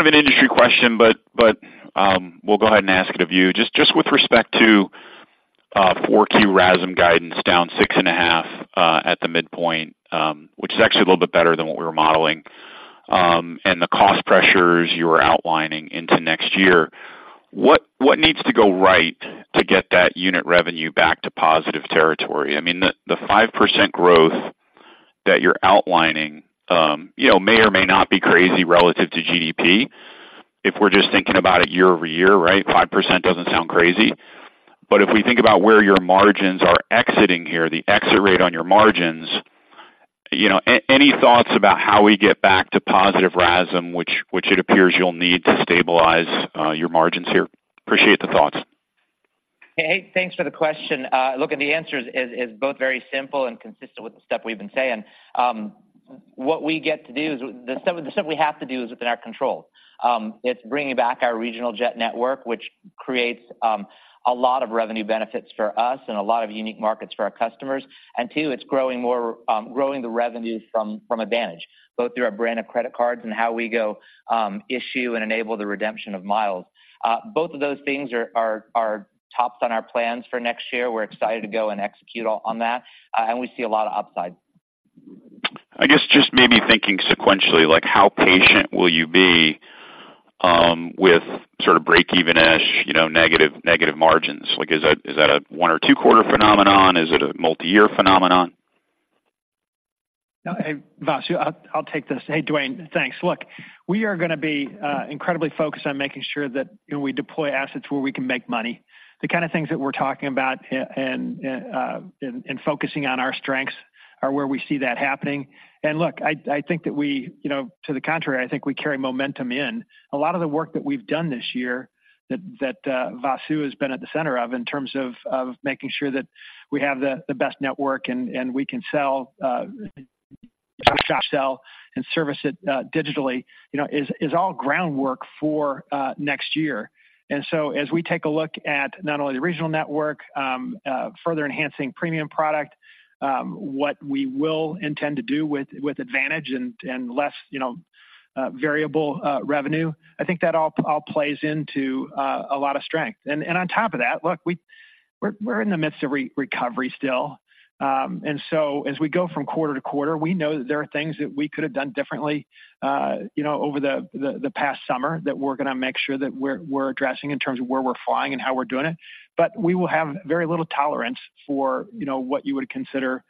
of an industry question, but we'll go ahead and ask it of you. Just with respect to 4Q RASM guidance down 6.5% at the midpoint, which is actually a little bit better than what we were modeling, and the cost pressures you were outlining into next year, what needs to go right to get that unit revenue back to positive territory? I mean, the 5% growth that you're outlining, you know, may or may not be crazy relative to GDP, if we're just thinking about it year-over-year, right? 5% doesn't sound crazy. But if we think about where your margins are exiting here, the exit rate on your margins, you know, any thoughts about how we get back to positive RASM, which, which it appears you'll need to stabilize your margins here? Appreciate the thoughts. Hey, thanks for the question. Look, the answer is both very simple and consistent with the stuff we've been saying. What we get to do is the stuff we have to do is within our control. It's bringing back our regional jet network, which creates a lot of revenue benefits for us and a lot of unique markets for our customers. And two, it's growing the revenue from AAdvantage, both through our brand of credit cards and how we go issue and enable the redemption of miles. Both of those things are tops on our plans for next year. We're excited to go and execute on that, and we see a lot of upside. I guess, just maybe thinking sequentially, like, how patient will you be, with sort of break-even-ish, you know, negative, negative margins? Like, is that, is that a one or two-quarter phenomenon? Is it a multi-year phenomenon? Vasu, I'll take this. Hey, Duane, thanks. Look, we are gonna be incredibly focused on making sure that, you know, we deploy assets where we can make money. The kind of things that we're talking about here and focusing on our strengths are where we see that happening. And look, I think that we, you know, to the contrary, I think we carry momentum in. A lot of the work that we've done this year, that Vasu has been at the center of, in terms of making sure that we have the best network and we can sell.... shop, sell, and service it digitally, you know, is all groundwork for next year. And so as we take a look at not only the regional network, further enhancing premium product, what we will intend to do with AAdvantage and less, you know, variable revenue, I think that all plays into a lot of strength. And on top of that, look, we're in the midst of recovery still. And so as we go from quarter-to-quarter, we know that there are things that we could have done differently, you know, over the past summer, that we're gonna make sure that we're addressing in terms of where we're flying and how we're doing it. But we will have very little tolerance for, you know, what you would consider,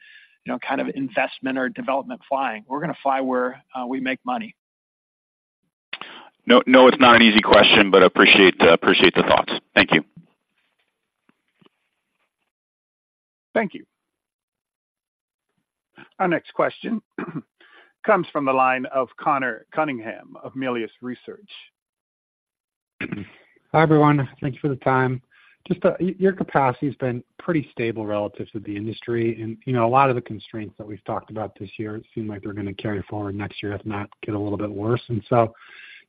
you know, kind of investment or development flying. We're gonna fly where we make money. No, no, it's not an easy question, but appreciate, appreciate the thoughts. Thank you. Thank you. Our next question comes from the line of Conor Cunningham of Melius Research. Hi, everyone. Thank you for the time. Just, your capacity has been pretty stable relative to the industry, and, you know, a lot of the constraints that we've talked about this year seem like they're gonna carry forward next year, if not get a little bit worse. And so,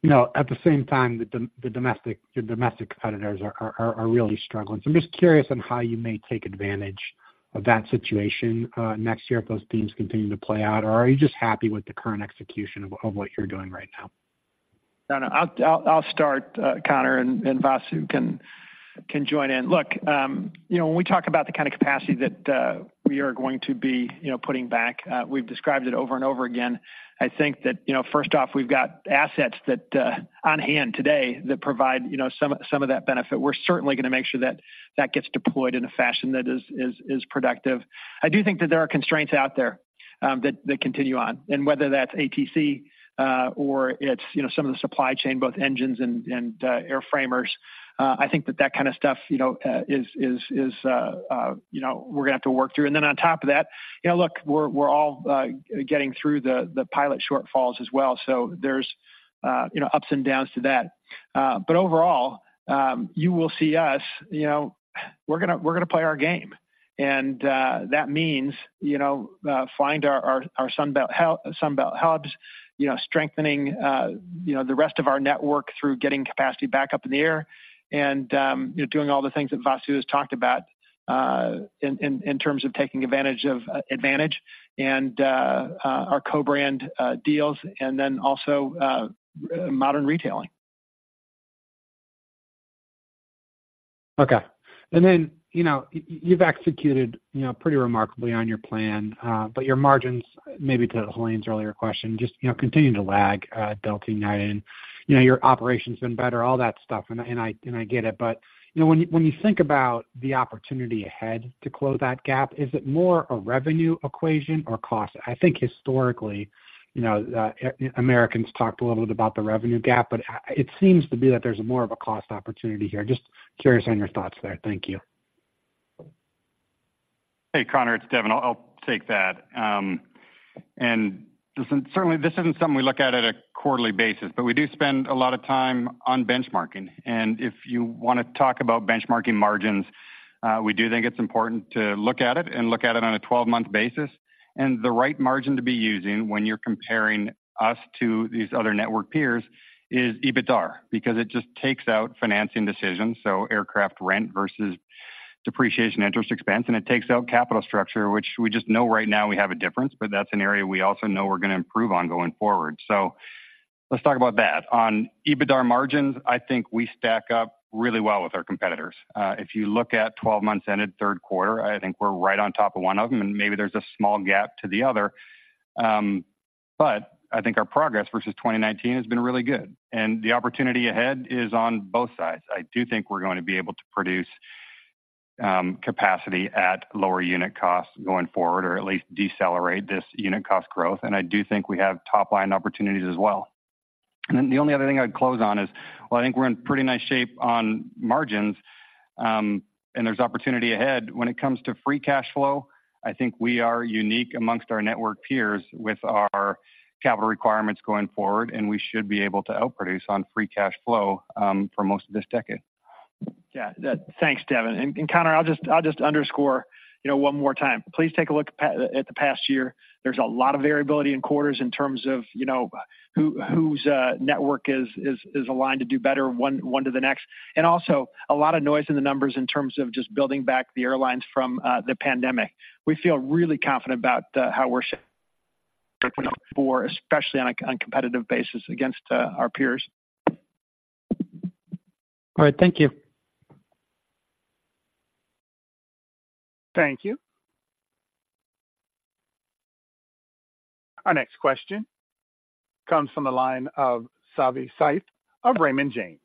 you know, at the same time, the domestic competitors are really struggling. So I'm just curious on how you may take advantage of that situation, next year if those themes continue to play out, or are you just happy with the current execution of what you're doing right now? No, no, I'll start, Conor, and Vasu can join in. Look, you know, when we talk about the kind of capacity that we are going to be, you know, putting back, we've described it over and over again. I think that, you know, first off, we've got assets that on hand today that provide, you know, some of that benefit. We're certainly gonna make sure that that gets deployed in a fashion that is productive. I do think that there are constraints out there that continue on. And whether that's ATC, or it's, you know, some of the supply chain, both engines and airframers, I think that that kind of stuff, you know, is, you know, we're gonna have to work through. And then on top of that, you know, look, we're all getting through the pilot shortfalls as well, so there's you know, ups and downs to that. But overall, you will see us, you know, we're gonna play our game. And that means, you know, find our Sun Belt hubs, you know, strengthening the rest of our network through getting capacity back up in the air and, you know, doing all the things that Vasu has talked about in terms of taking advantage of AAdvantage and our co-brand deals, and then also modern retailing. Okay. And then, you know, you've executed, you know, pretty remarkably on your plan, but your margins, maybe to Helane's earlier question, just, you know, continuing to lag Delta tonight, and, you know, your operation's been better, all that stuff, and I get it. But, you know, when you think about the opportunity ahead to close that gap, is it more a revenue equation or cost? I think historically, you know, Americans talked a little bit about the revenue gap, but it seems to be that there's more of a cost opportunity here. Just curious on your thoughts there. Thank you. Hey, Conor, it's Devon. I'll, I'll take that. Certainly, this isn't something we look at on a quarterly basis, but we do spend a lot of time on benchmarking. And if you wanna talk about benchmarking margins, we do think it's important to look at it and look at it on a 12-month basis. And the right margin to be using when you're comparing us to these other network peers is EBITDAR, because it just takes out financing decisions, so aircraft rent versus depreciation, interest expense, and it takes out capital structure, which we just know right now we have a difference, but that's an area we also know we're gonna improve on going forward. So let's talk about that. On EBITDAR margins, I think we stack up really well with our competitors. If you look at 12 months ended third quarter, I think we're right on top of one of them, and maybe there's a small gap to the other. But I think our progress versus 2019 has been really good, and the opportunity ahead is on both sides. I do think we're going to be able to produce capacity at lower unit costs going forward, or at least decelerate this unit cost growth, and I do think we have top-line opportunities as well. And the only other thing I'd close on is, while I think we're in pretty nice shape on margins, and there's opportunity ahead, when it comes to free cash flow, I think we are unique amongst our network peers with our capital requirements going forward, and we should be able to outproduce on free cash flow for most of this decade. Yeah, that, thanks, Devon. And Conor, I'll just underscore, you know, one more time. Please take a look at the past year. There's a lot of variability in quarters in terms of, you know, whose network is aligned to do better one to the next. And also, a lot of noise in the numbers in terms of just building back the airlines from the pandemic. We feel really confident about how we're especially on a competitive basis against our peers. All right. Thank you. Thank you. Our next question comes from the line of Savi Syth of Raymond James.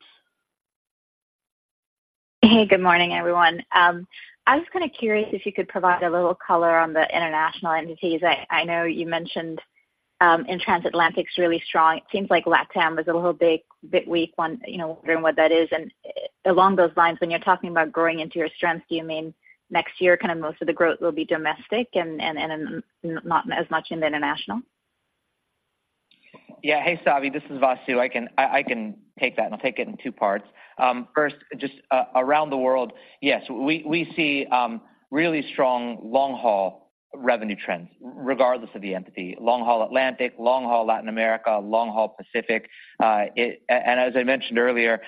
Hey, good morning, everyone. I was kind of curious if you could provide a little color on the international entities. I, I know you mentioned in transatlantic is really strong. It seems like LATAM was a little bit weak, you know, wondering what that is. And along those lines, when you're talking about growing into your strengths, do you mean next year, kind of most of the growth will be domestic and not as much in the international? Yeah. Hey, Savi, this is Vasu. I can take that, and I'll take it in two parts. First, just around the world, yes, we see really strong long-haul revenue trends, regardless of the entity, long-haul Atlantic, long-haul Latin America, long-haul Pacific. And, as I mentioned earlier,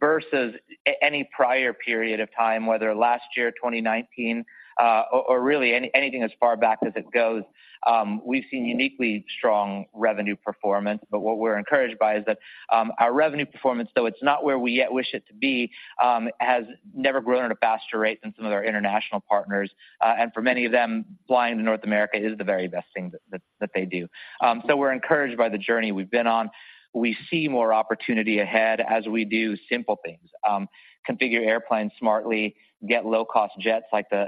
versus any prior period of time, whether last year, 2019, or really anything as far back as it goes, we've seen uniquely strong revenue performance. But what we're encouraged by is that, our revenue performance, though it's not where we yet wish it to be, has never grown at a faster rate than some of our international partners. And for many of them, flying to North America is the very best thing that they do. So we're encouraged by the journey we've been on. We see more opportunity ahead as we do simple things, configure airplanes smartly, get low-cost jets like the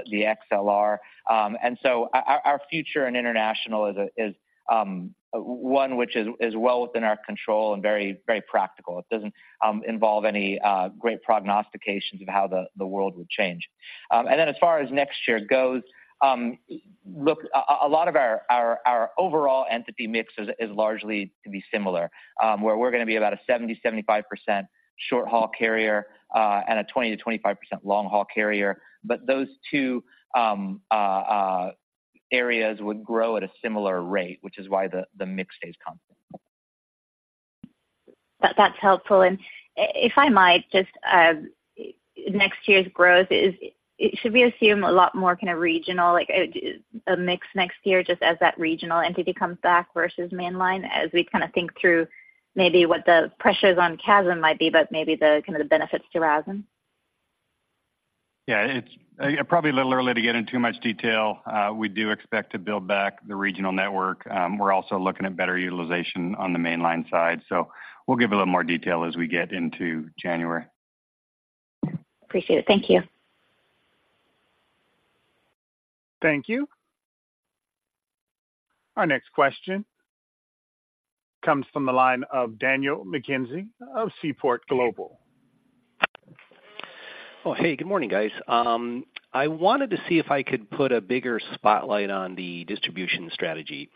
XLR. And so our future in international is one which is well within our control and very, very practical. It doesn't involve any great prognostications of how the world would change. And then as far as next year goes, look, a lot of our overall entity mix is largely to be similar, where we're gonna be about a 70-75% short-haul carrier, and a 20%-25% long-haul carrier. But those two areas would grow at a similar rate, which is why the mix stays constant. That's helpful. If I might just, next year's growth is—should we assume a lot more kind of regional, like, a mix next year, just as that regional entity comes back versus mainline, as we kind of think through maybe what the pressures on CASM might be, but maybe the kind of the benefits to RASM? Yeah, it's probably a little early to get into much detail. We do expect to build back the regional network. We're also looking at better utilization on the mainline side, so we'll give a little more detail as we get into January. Appreciate it. Thank you. Thank you. Our next question comes from the line of Daniel McKenzie of Seaport Global. Oh, hey, good morning, guys. I wanted to see if I could put a bigger spotlight on the distribution strategy.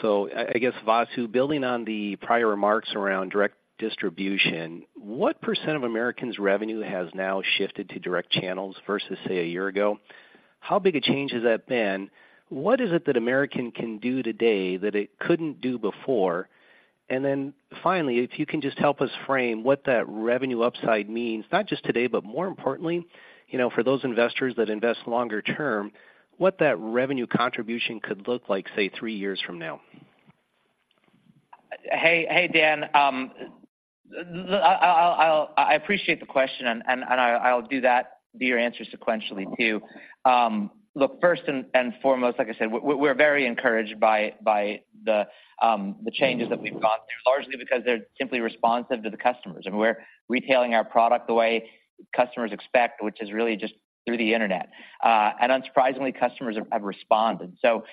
So I guess, Vasu, building on the prior remarks around direct distribution, what percentage of American's revenue has now shifted to direct channels versus, say, a year ago? How big a change has that been? What is it that American can do today that it couldn't do before? And then finally, if you can just help us frame what that revenue upside means, not just today, but more importantly, you know, for those investors that invest longer term, what that revenue contribution could look like, say, three years from now? Hey, hey, Dan. I'll appreciate the question, and I'll do that, be your answer sequentially, too. Look, first and foremost, like I said, we're very encouraged by the changes that we've gone through, largely because they're simply responsive to the customers, and we're retailing our product the way customers expect, which is really just through the Internet. And unsurprisingly, customers have responded. So,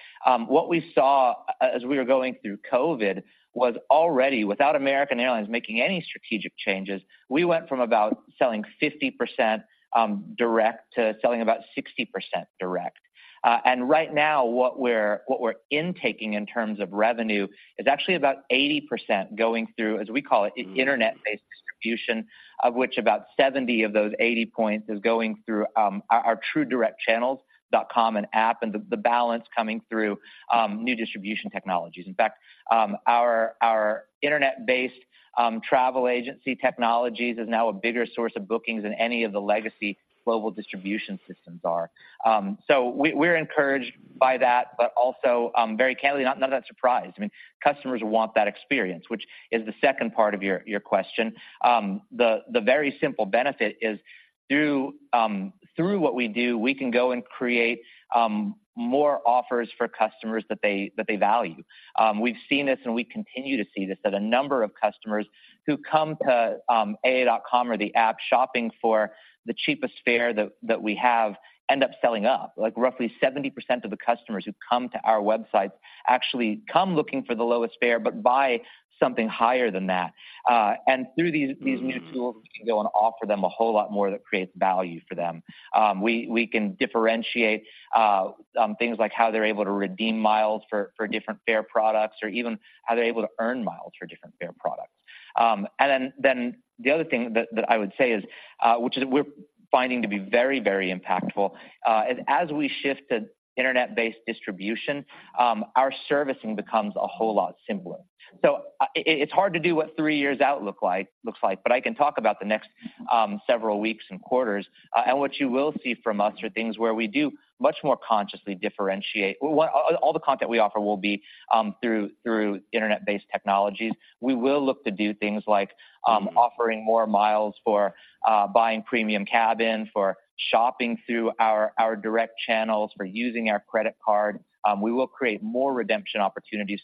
what we saw as we were going through COVID was already, without American Airlines making any strategic changes, we went from about selling 50% direct to selling about 60% direct. And right now, what we're intaking in terms of revenue is actually about 80% going through, as we call it, Internet-based distribution, of which about 70 of those 80 points is going through our true direct channels, dot com and app, and the balance coming through new distribution technologies. In fact, our Internet-based travel agency technologies is now a bigger source of bookings than any of the legacy global distribution systems are. So we're encouraged by that, but also, very candidly, not that surprised. I mean, customers want that experience, which is the second part of your question. The very simple benefit is through what we do, we can go and create more offers for customers that they value. We've seen this, and we continue to see this, that a number of customers who come to aa.com or the app shopping for the cheapest fare that we have end up selling up. Like, roughly 70% of the customers who come to our website actually come looking for the lowest fare but buy something higher than that. And through these new tools, we can go and offer them a whole lot more that creates value for them. We can differentiate things like how they're able to redeem miles for different fare products or even how they're able to earn miles for different fare products. And then the other thing that I would say is, which is we're finding to be very, very impactful, is as we shift to Internet-based distribution, our servicing becomes a whole lot simpler. So it's hard to do what three years out looks like, but I can talk about the next several weeks and quarters. And what you will see from us are things where we do much more consciously differentiate. Well, all the content we offer will be through Internet-based technologies. We will look to do things like offering more miles for buying premium cabin, for shopping through our direct channels, for using our credit card. We will create more redemption opportunities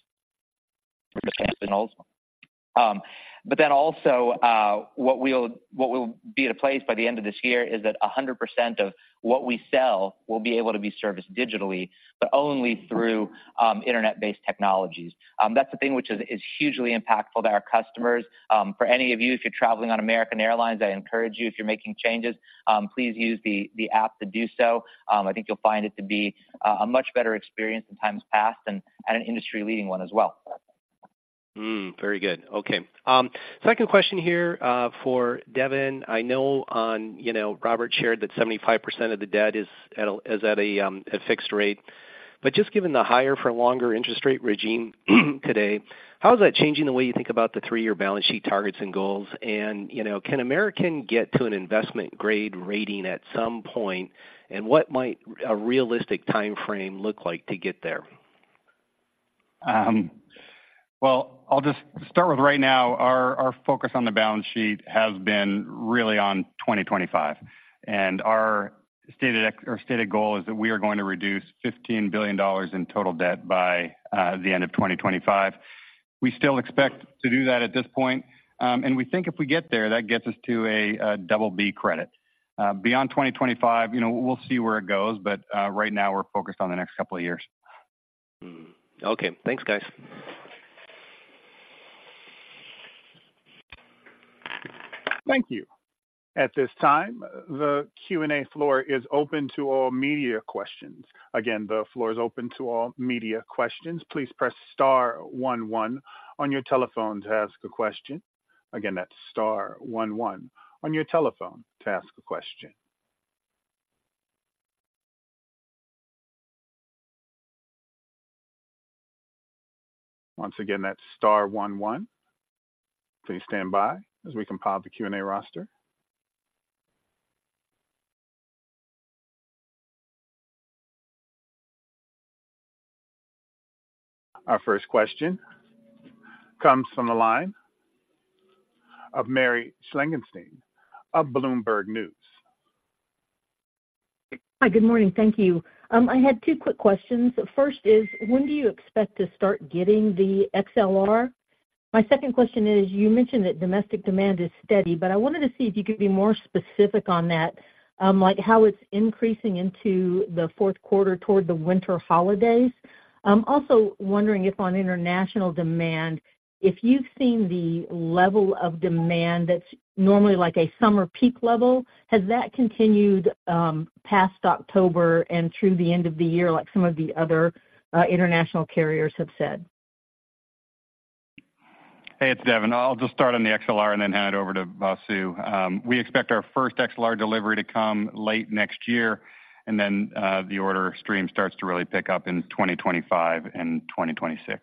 for the channels. But then also, what will be in place by the end of this year is that 100% of what we sell will be able to be serviced digitally, but only through internet-based technologies. That's the thing which is hugely impactful to our customers. For any of you, if you're traveling on American Airlines, I encourage you, if you're making changes, please use the app to do so. I think you'll find it to be a much better experience in times past and an industry-leading one as well. Mm-hmm, very good. Okay, second question here, for Devon. I know, you know, Robert shared that 75% of the debt is at a fixed rate. But just given the higher for longer interest rate regime today, how is that changing the way you think about the three-year balance sheet targets and goals? And, you know, can American get to an investment grade rating at some point? And what might a realistic timeframe look like to get there? Well, I'll just start with right now, our focus on the balance sheet has been really on 2025, and our stated goal is that we are going to reduce $15 billion in total debt by the end of 2025. We still expect to do that at this point, and we think if we get there, that gets us to a double B credit. Beyond 2025, you know, we'll see where it goes, but right now we're focused on the next couple of years. Mm-hmm. Okay. Thanks, guys. Thank you. At this time, the Q&A floor is open to all media questions. Again, the floor is open to all media questions. Please press star one one on your telephone to ask a question. Again, that's star one one on your telephone to ask a question. Once again, that's star one one. Please stand by as we compile the Q&A roster. Our first question comes from the line of Mary Schlangenstein of Bloomberg News. Hi, good morning. Thank you. I had two quick questions. First is, when do you expect to start getting the XLR? My second question is, you mentioned that domestic demand is steady, but I wanted to see if you could be more specific on that, like how it's increasing into the fourth quarter toward the winter holidays. I'm also wondering if on international demand, if you've seen the level of demand that's normally like a summer peak level, has that continued, past October and through the end of the year, like some of the other, international carriers have said? Hey, it's Devon. I'll just start on the XLR and then hand it over to Vasu. We expect our first XLR delivery to come late next year, and then, the order stream starts to really pick up in 2025 and 2026.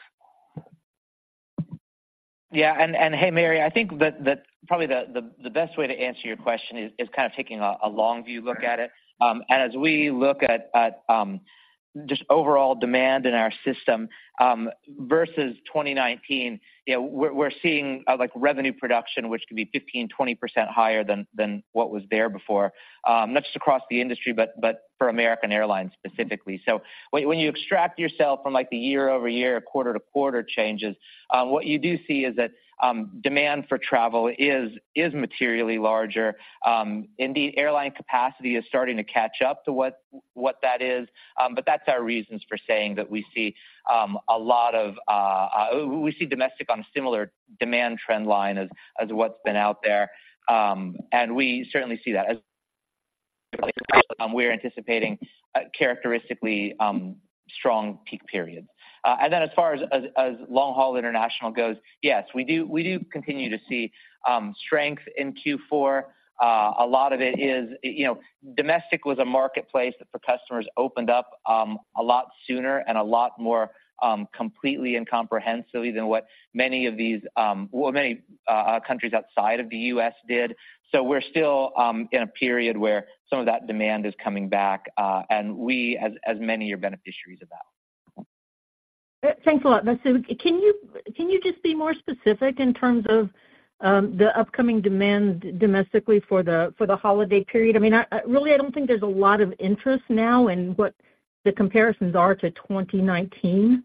Yeah, and hey, Mary, I think that probably the best way to answer your question is kind of taking a long view look at it. And as we look at just overall demand in our system versus 2019, you know, we're seeing like revenue production, which could be 15%-20% higher than what was there before. Not just across the industry, but for American Airlines specifically. So when you extract yourself from like the year-over-year, quarter-to-quarter changes, what you do see is that demand for travel is materially larger. Indeed, airline capacity is starting to catch up to what that is. But that's our reasons for saying that we see a lot of... We see domestic on a similar demand trend line as what's been out there. And we certainly see that as we're anticipating a characteristically strong peak periods. And then as far as long-haul international goes, yes, we do continue to see strength in Q4. A lot of it is, you know, domestic was a marketplace that for customers opened up a lot sooner and a lot more completely and comprehensively than what many of these, well, many countries outside of the U.S. did. So we're still in a period where some of that demand is coming back, and we, as many, are beneficiaries of that. Thanks a lot. Vasu, can you, can you just be more specific in terms of, the upcoming demand domestically for the, for the holiday period? I mean, I, really, I don't think there's a lot of interest now in what the comparisons are to 2019.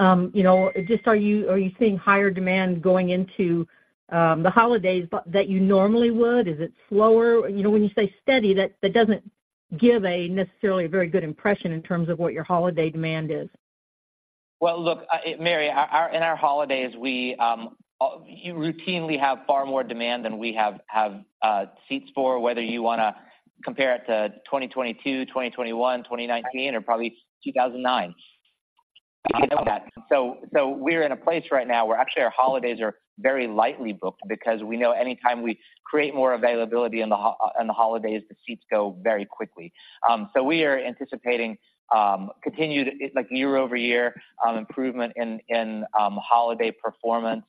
You know, just are you, are you seeing higher demand going into, the holidays but that you normally would? Is it slower? You know, when you say steady, that, that doesn't give a necessarily a very good impression in terms of what your holiday demand is. Well, look, Mary, our -- in our holidays, we routinely have far more demand than we have seats for, whether you want to compare it to 2022, 2021, 2019, or probably 2009. So we're in a place right now where actually our holidays are very lightly booked because we know anytime we create more availability in the holidays, the seats go very quickly. So we are anticipating continued, like, year-over-year improvement in holiday performance.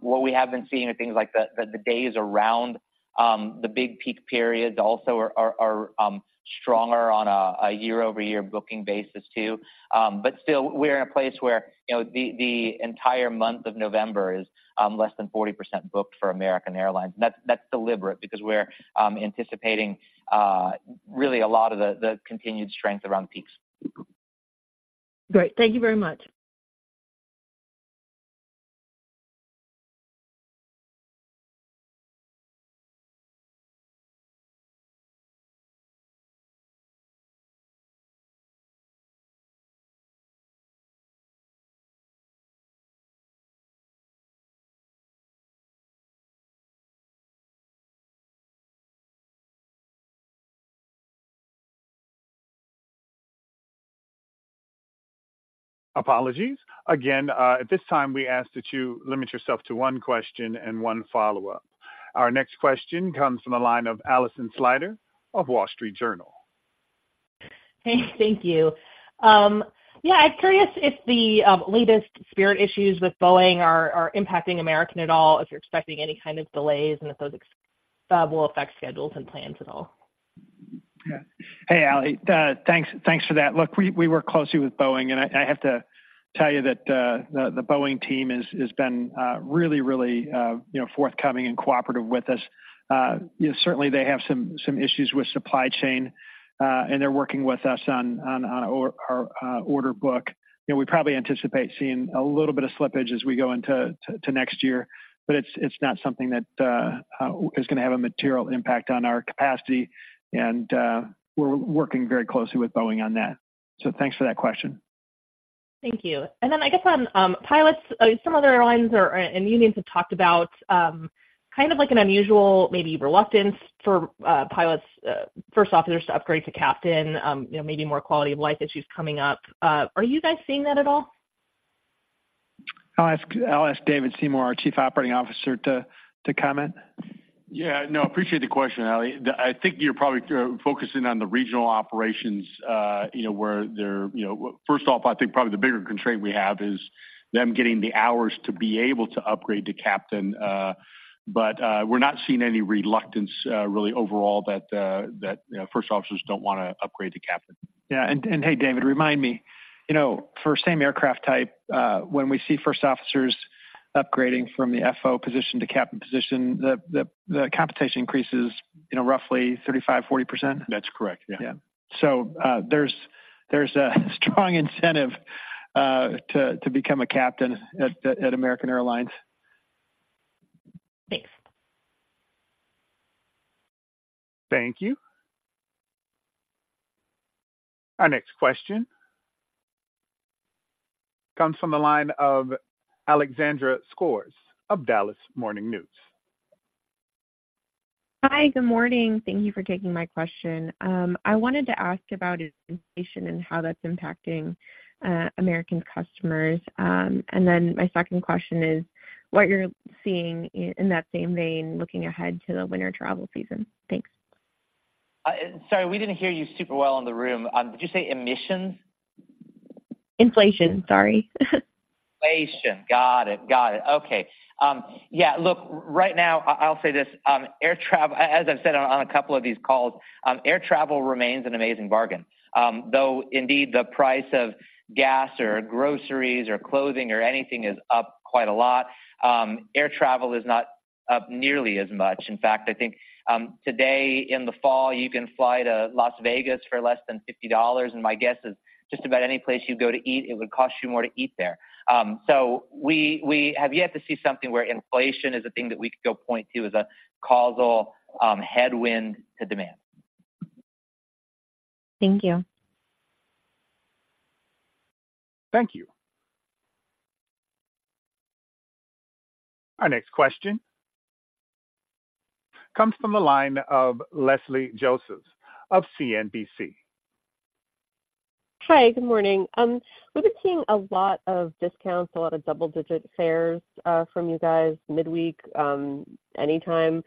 What we have been seeing are things like the days around the big peak periods also are stronger on a year-over-year booking basis, too. But still, we're in a place where, you know, the entire month of November is less than 40% booked for American Airlines. That's deliberate because we're anticipating really a lot of the continued strength around peaks. Great. Thank you very much. Apologies. Again, at this time, we ask that you limit yourself to one question and one follow-up. Our next question comes from the line of Alison Sider of Wall Street Journal. Hey, thank you. Yeah, I'm curious if the latest Spirit issues with Boeing are impacting American at all, if you're expecting any kind of delays, and if those will affect schedules and plans at all? Yeah. Hey, Ally, thanks, thanks for that. Look, we work closely with Boeing, and I have to tell you that the Boeing team has been really, really, you know, forthcoming and cooperative with us. You know, certainly they have some issues with supply chain, and they're working with us on our order book. You know, we probably anticipate seeing a little bit of slippage as we go into next year, but it's not something that is gonna have a material impact on our capacity, and we're working very closely with Boeing on that. So thanks for that question. Thank you. And then I guess on pilots, some other airlines or and unions have talked about kind of like an unusual maybe reluctance for pilots first officers to upgrade to captain, you know, maybe more quality of life issues coming up. Are you guys seeing that at all? I'll ask David Seymour, our Chief Operating Officer, to comment. Yeah, no, I appreciate the question, Ally. I think you're probably focusing on the regional operations, you know, where there. You know, first off, I think probably the bigger constraint we have is them getting the hours to be able to upgrade to captain. But we're not seeing any reluctance really overall that that, you know, first officers don't wanna upgrade to captain. Yeah, and hey, David, remind me, you know, for same aircraft type, when we see first officers upgrading from the FO position to captain position, the compensation increase is, you know, roughly 35%-40%? That's correct. Yeah. Yeah. So, there's a strong incentive to become a captain at American Airlines. Thanks. Thank you. Our next question comes from the line of Alexandra Skores of Dallas Morning News. Hi, good morning. Thank you for taking my question. I wanted to ask about inflation and how that's impacting American customers? And then my second question is, what you're seeing in that same vein, looking ahead to the winter travel season? Thanks. Sorry, we didn't hear you super well in the room. Did you say emissions? Inflation. Sorry. Inflation. Got it. Got it. Okay. Yeah, look, right now, I, I'll say this, air travel, as I've said on, on a couple of these calls, air travel remains an amazing bargain. Though, indeed, the price of gas or groceries or clothing or anything is up quite a lot, air travel is not up nearly as much. In fact, I think, today, in the fall, you can fly to Las Vegas for less than $50, and my guess is just about any place you go to eat, it would cost you more to eat there. So we, we have yet to see something where inflation is a thing that we could go point to as a causal, headwind to demand. Thank you. Thank you. Our next question comes from the line of Leslie Josephs of CNBC. Hi, good morning. We've been seeing a lot of discounts, a lot of double-digit fares from you guys midweek, anytime.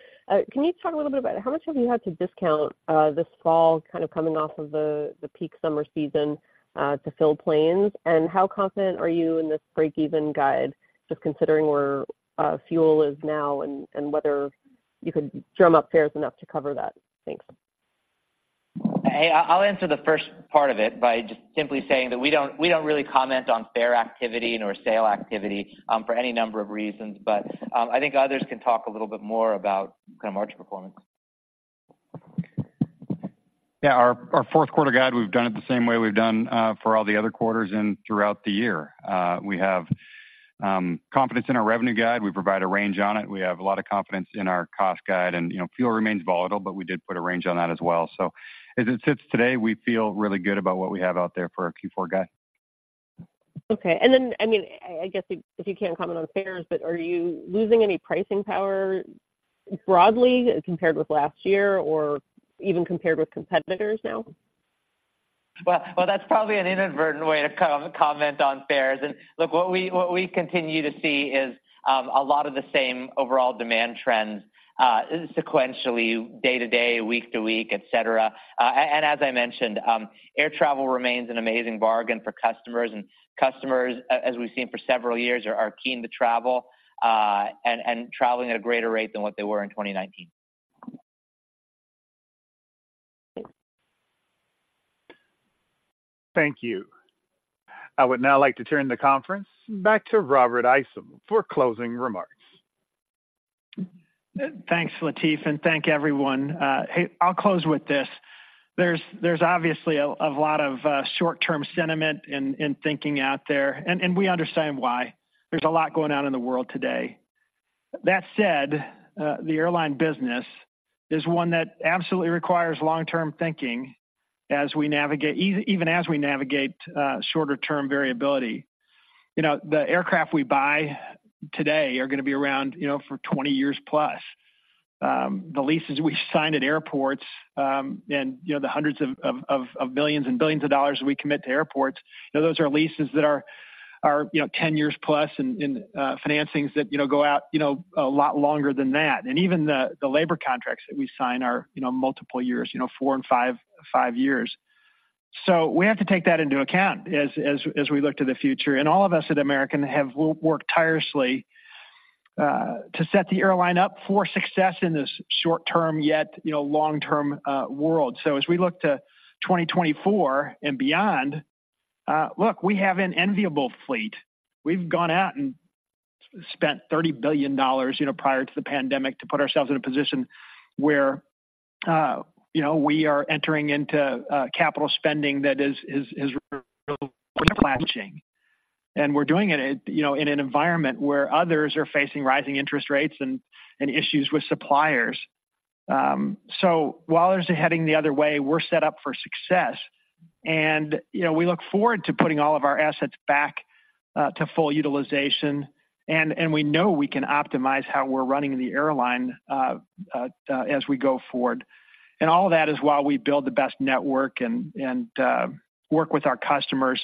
Can you talk a little bit about how much have you had to discount this fall, kind of coming off of the peak summer season to fill planes? And how confident are you in this break-even guide, just considering where fuel is now and whether you could drum up fares enough to cover that? Thanks. Hey, I'll answer the first part of it by just simply saying that we don't, we don't really comment on fare activity nor sale activity, for any number of reasons. But, I think others can talk a little bit more about kind of margin performance. Yeah, our, our fourth quarter guide, we've done it the same way we've done for all the other quarters and throughout the year. We have confidence in our revenue guide. We provide a range on it. We have a lot of confidence in our cost guide, and, you know, fuel remains volatile, but we did put a range on that as well. So as it sits today, we feel really good about what we have out there for our Q4 guide. Okay. And then, I mean, I guess if you can't comment on fares, but are you losing any pricing power broadly compared with last year or even compared with competitors now? Well, well, that's probably an inadvertent way to co-comment on fares. Look, what we continue to see is a lot of the same overall demand trends sequentially, day to day, week to week, et cetera. And as I mentioned, air travel remains an amazing bargain for customers, and customers, as we've seen for several years, are keen to travel, and traveling at a greater rate than what they were in 2019. Thank you. I would now like to turn the conference back to Robert Isom for closing remarks. Thanks, Latif, and thank everyone. Hey, I'll close with this. There's obviously a lot of short-term sentiment in thinking out there, and we understand why. There's a lot going on in the world today. That said, the airline business is one that absolutely requires long-term thinking as we navigate even as we navigate shorter-term variability. You know, the aircraft we buy today are gonna be around, you know, for 20 years plus. The leases we've signed at airports, and, you know, the hundreds of millions and billions of dollars we commit to airports, you know, those are leases that are, you know, 10 years plus and, financings that, you know, go out, you know, a lot longer than that. Even the labor contracts that we sign are, you know, multiple years, you know, four and five, five years. So we have to take that into account as we look to the future. And all of us at American have worked tirelessly to set the airline up for success in this short term, yet, you know, long term world. So as we look to 2024 and beyond, look, we have an enviable fleet. We've gone out and spent $30 billion, you know, prior to the pandemic, to put ourselves in a position where, you know, we are entering into capital spending that is really flashing. And we're doing it, you know, in an environment where others are facing rising interest rates and issues with suppliers. So while others are heading the other way, we're set up for success. And, you know, we look forward to putting all of our assets back to full utilization, and we know we can optimize how we're running the airline as we go forward. And all of that is while we build the best network and work with our customers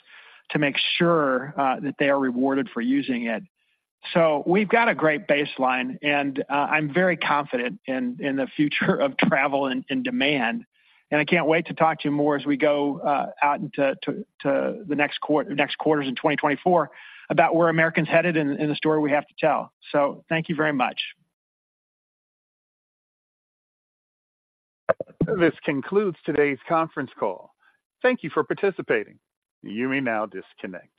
to make sure that they are rewarded for using it. So we've got a great baseline, and I'm very confident in the future of travel and demand. And I can't wait to talk to you more as we go out into the next quarters in 2024, about where American's headed and the story we have to tell. So thank you very much. This concludes today's conference call. Thank you for participating. You may now disconnect.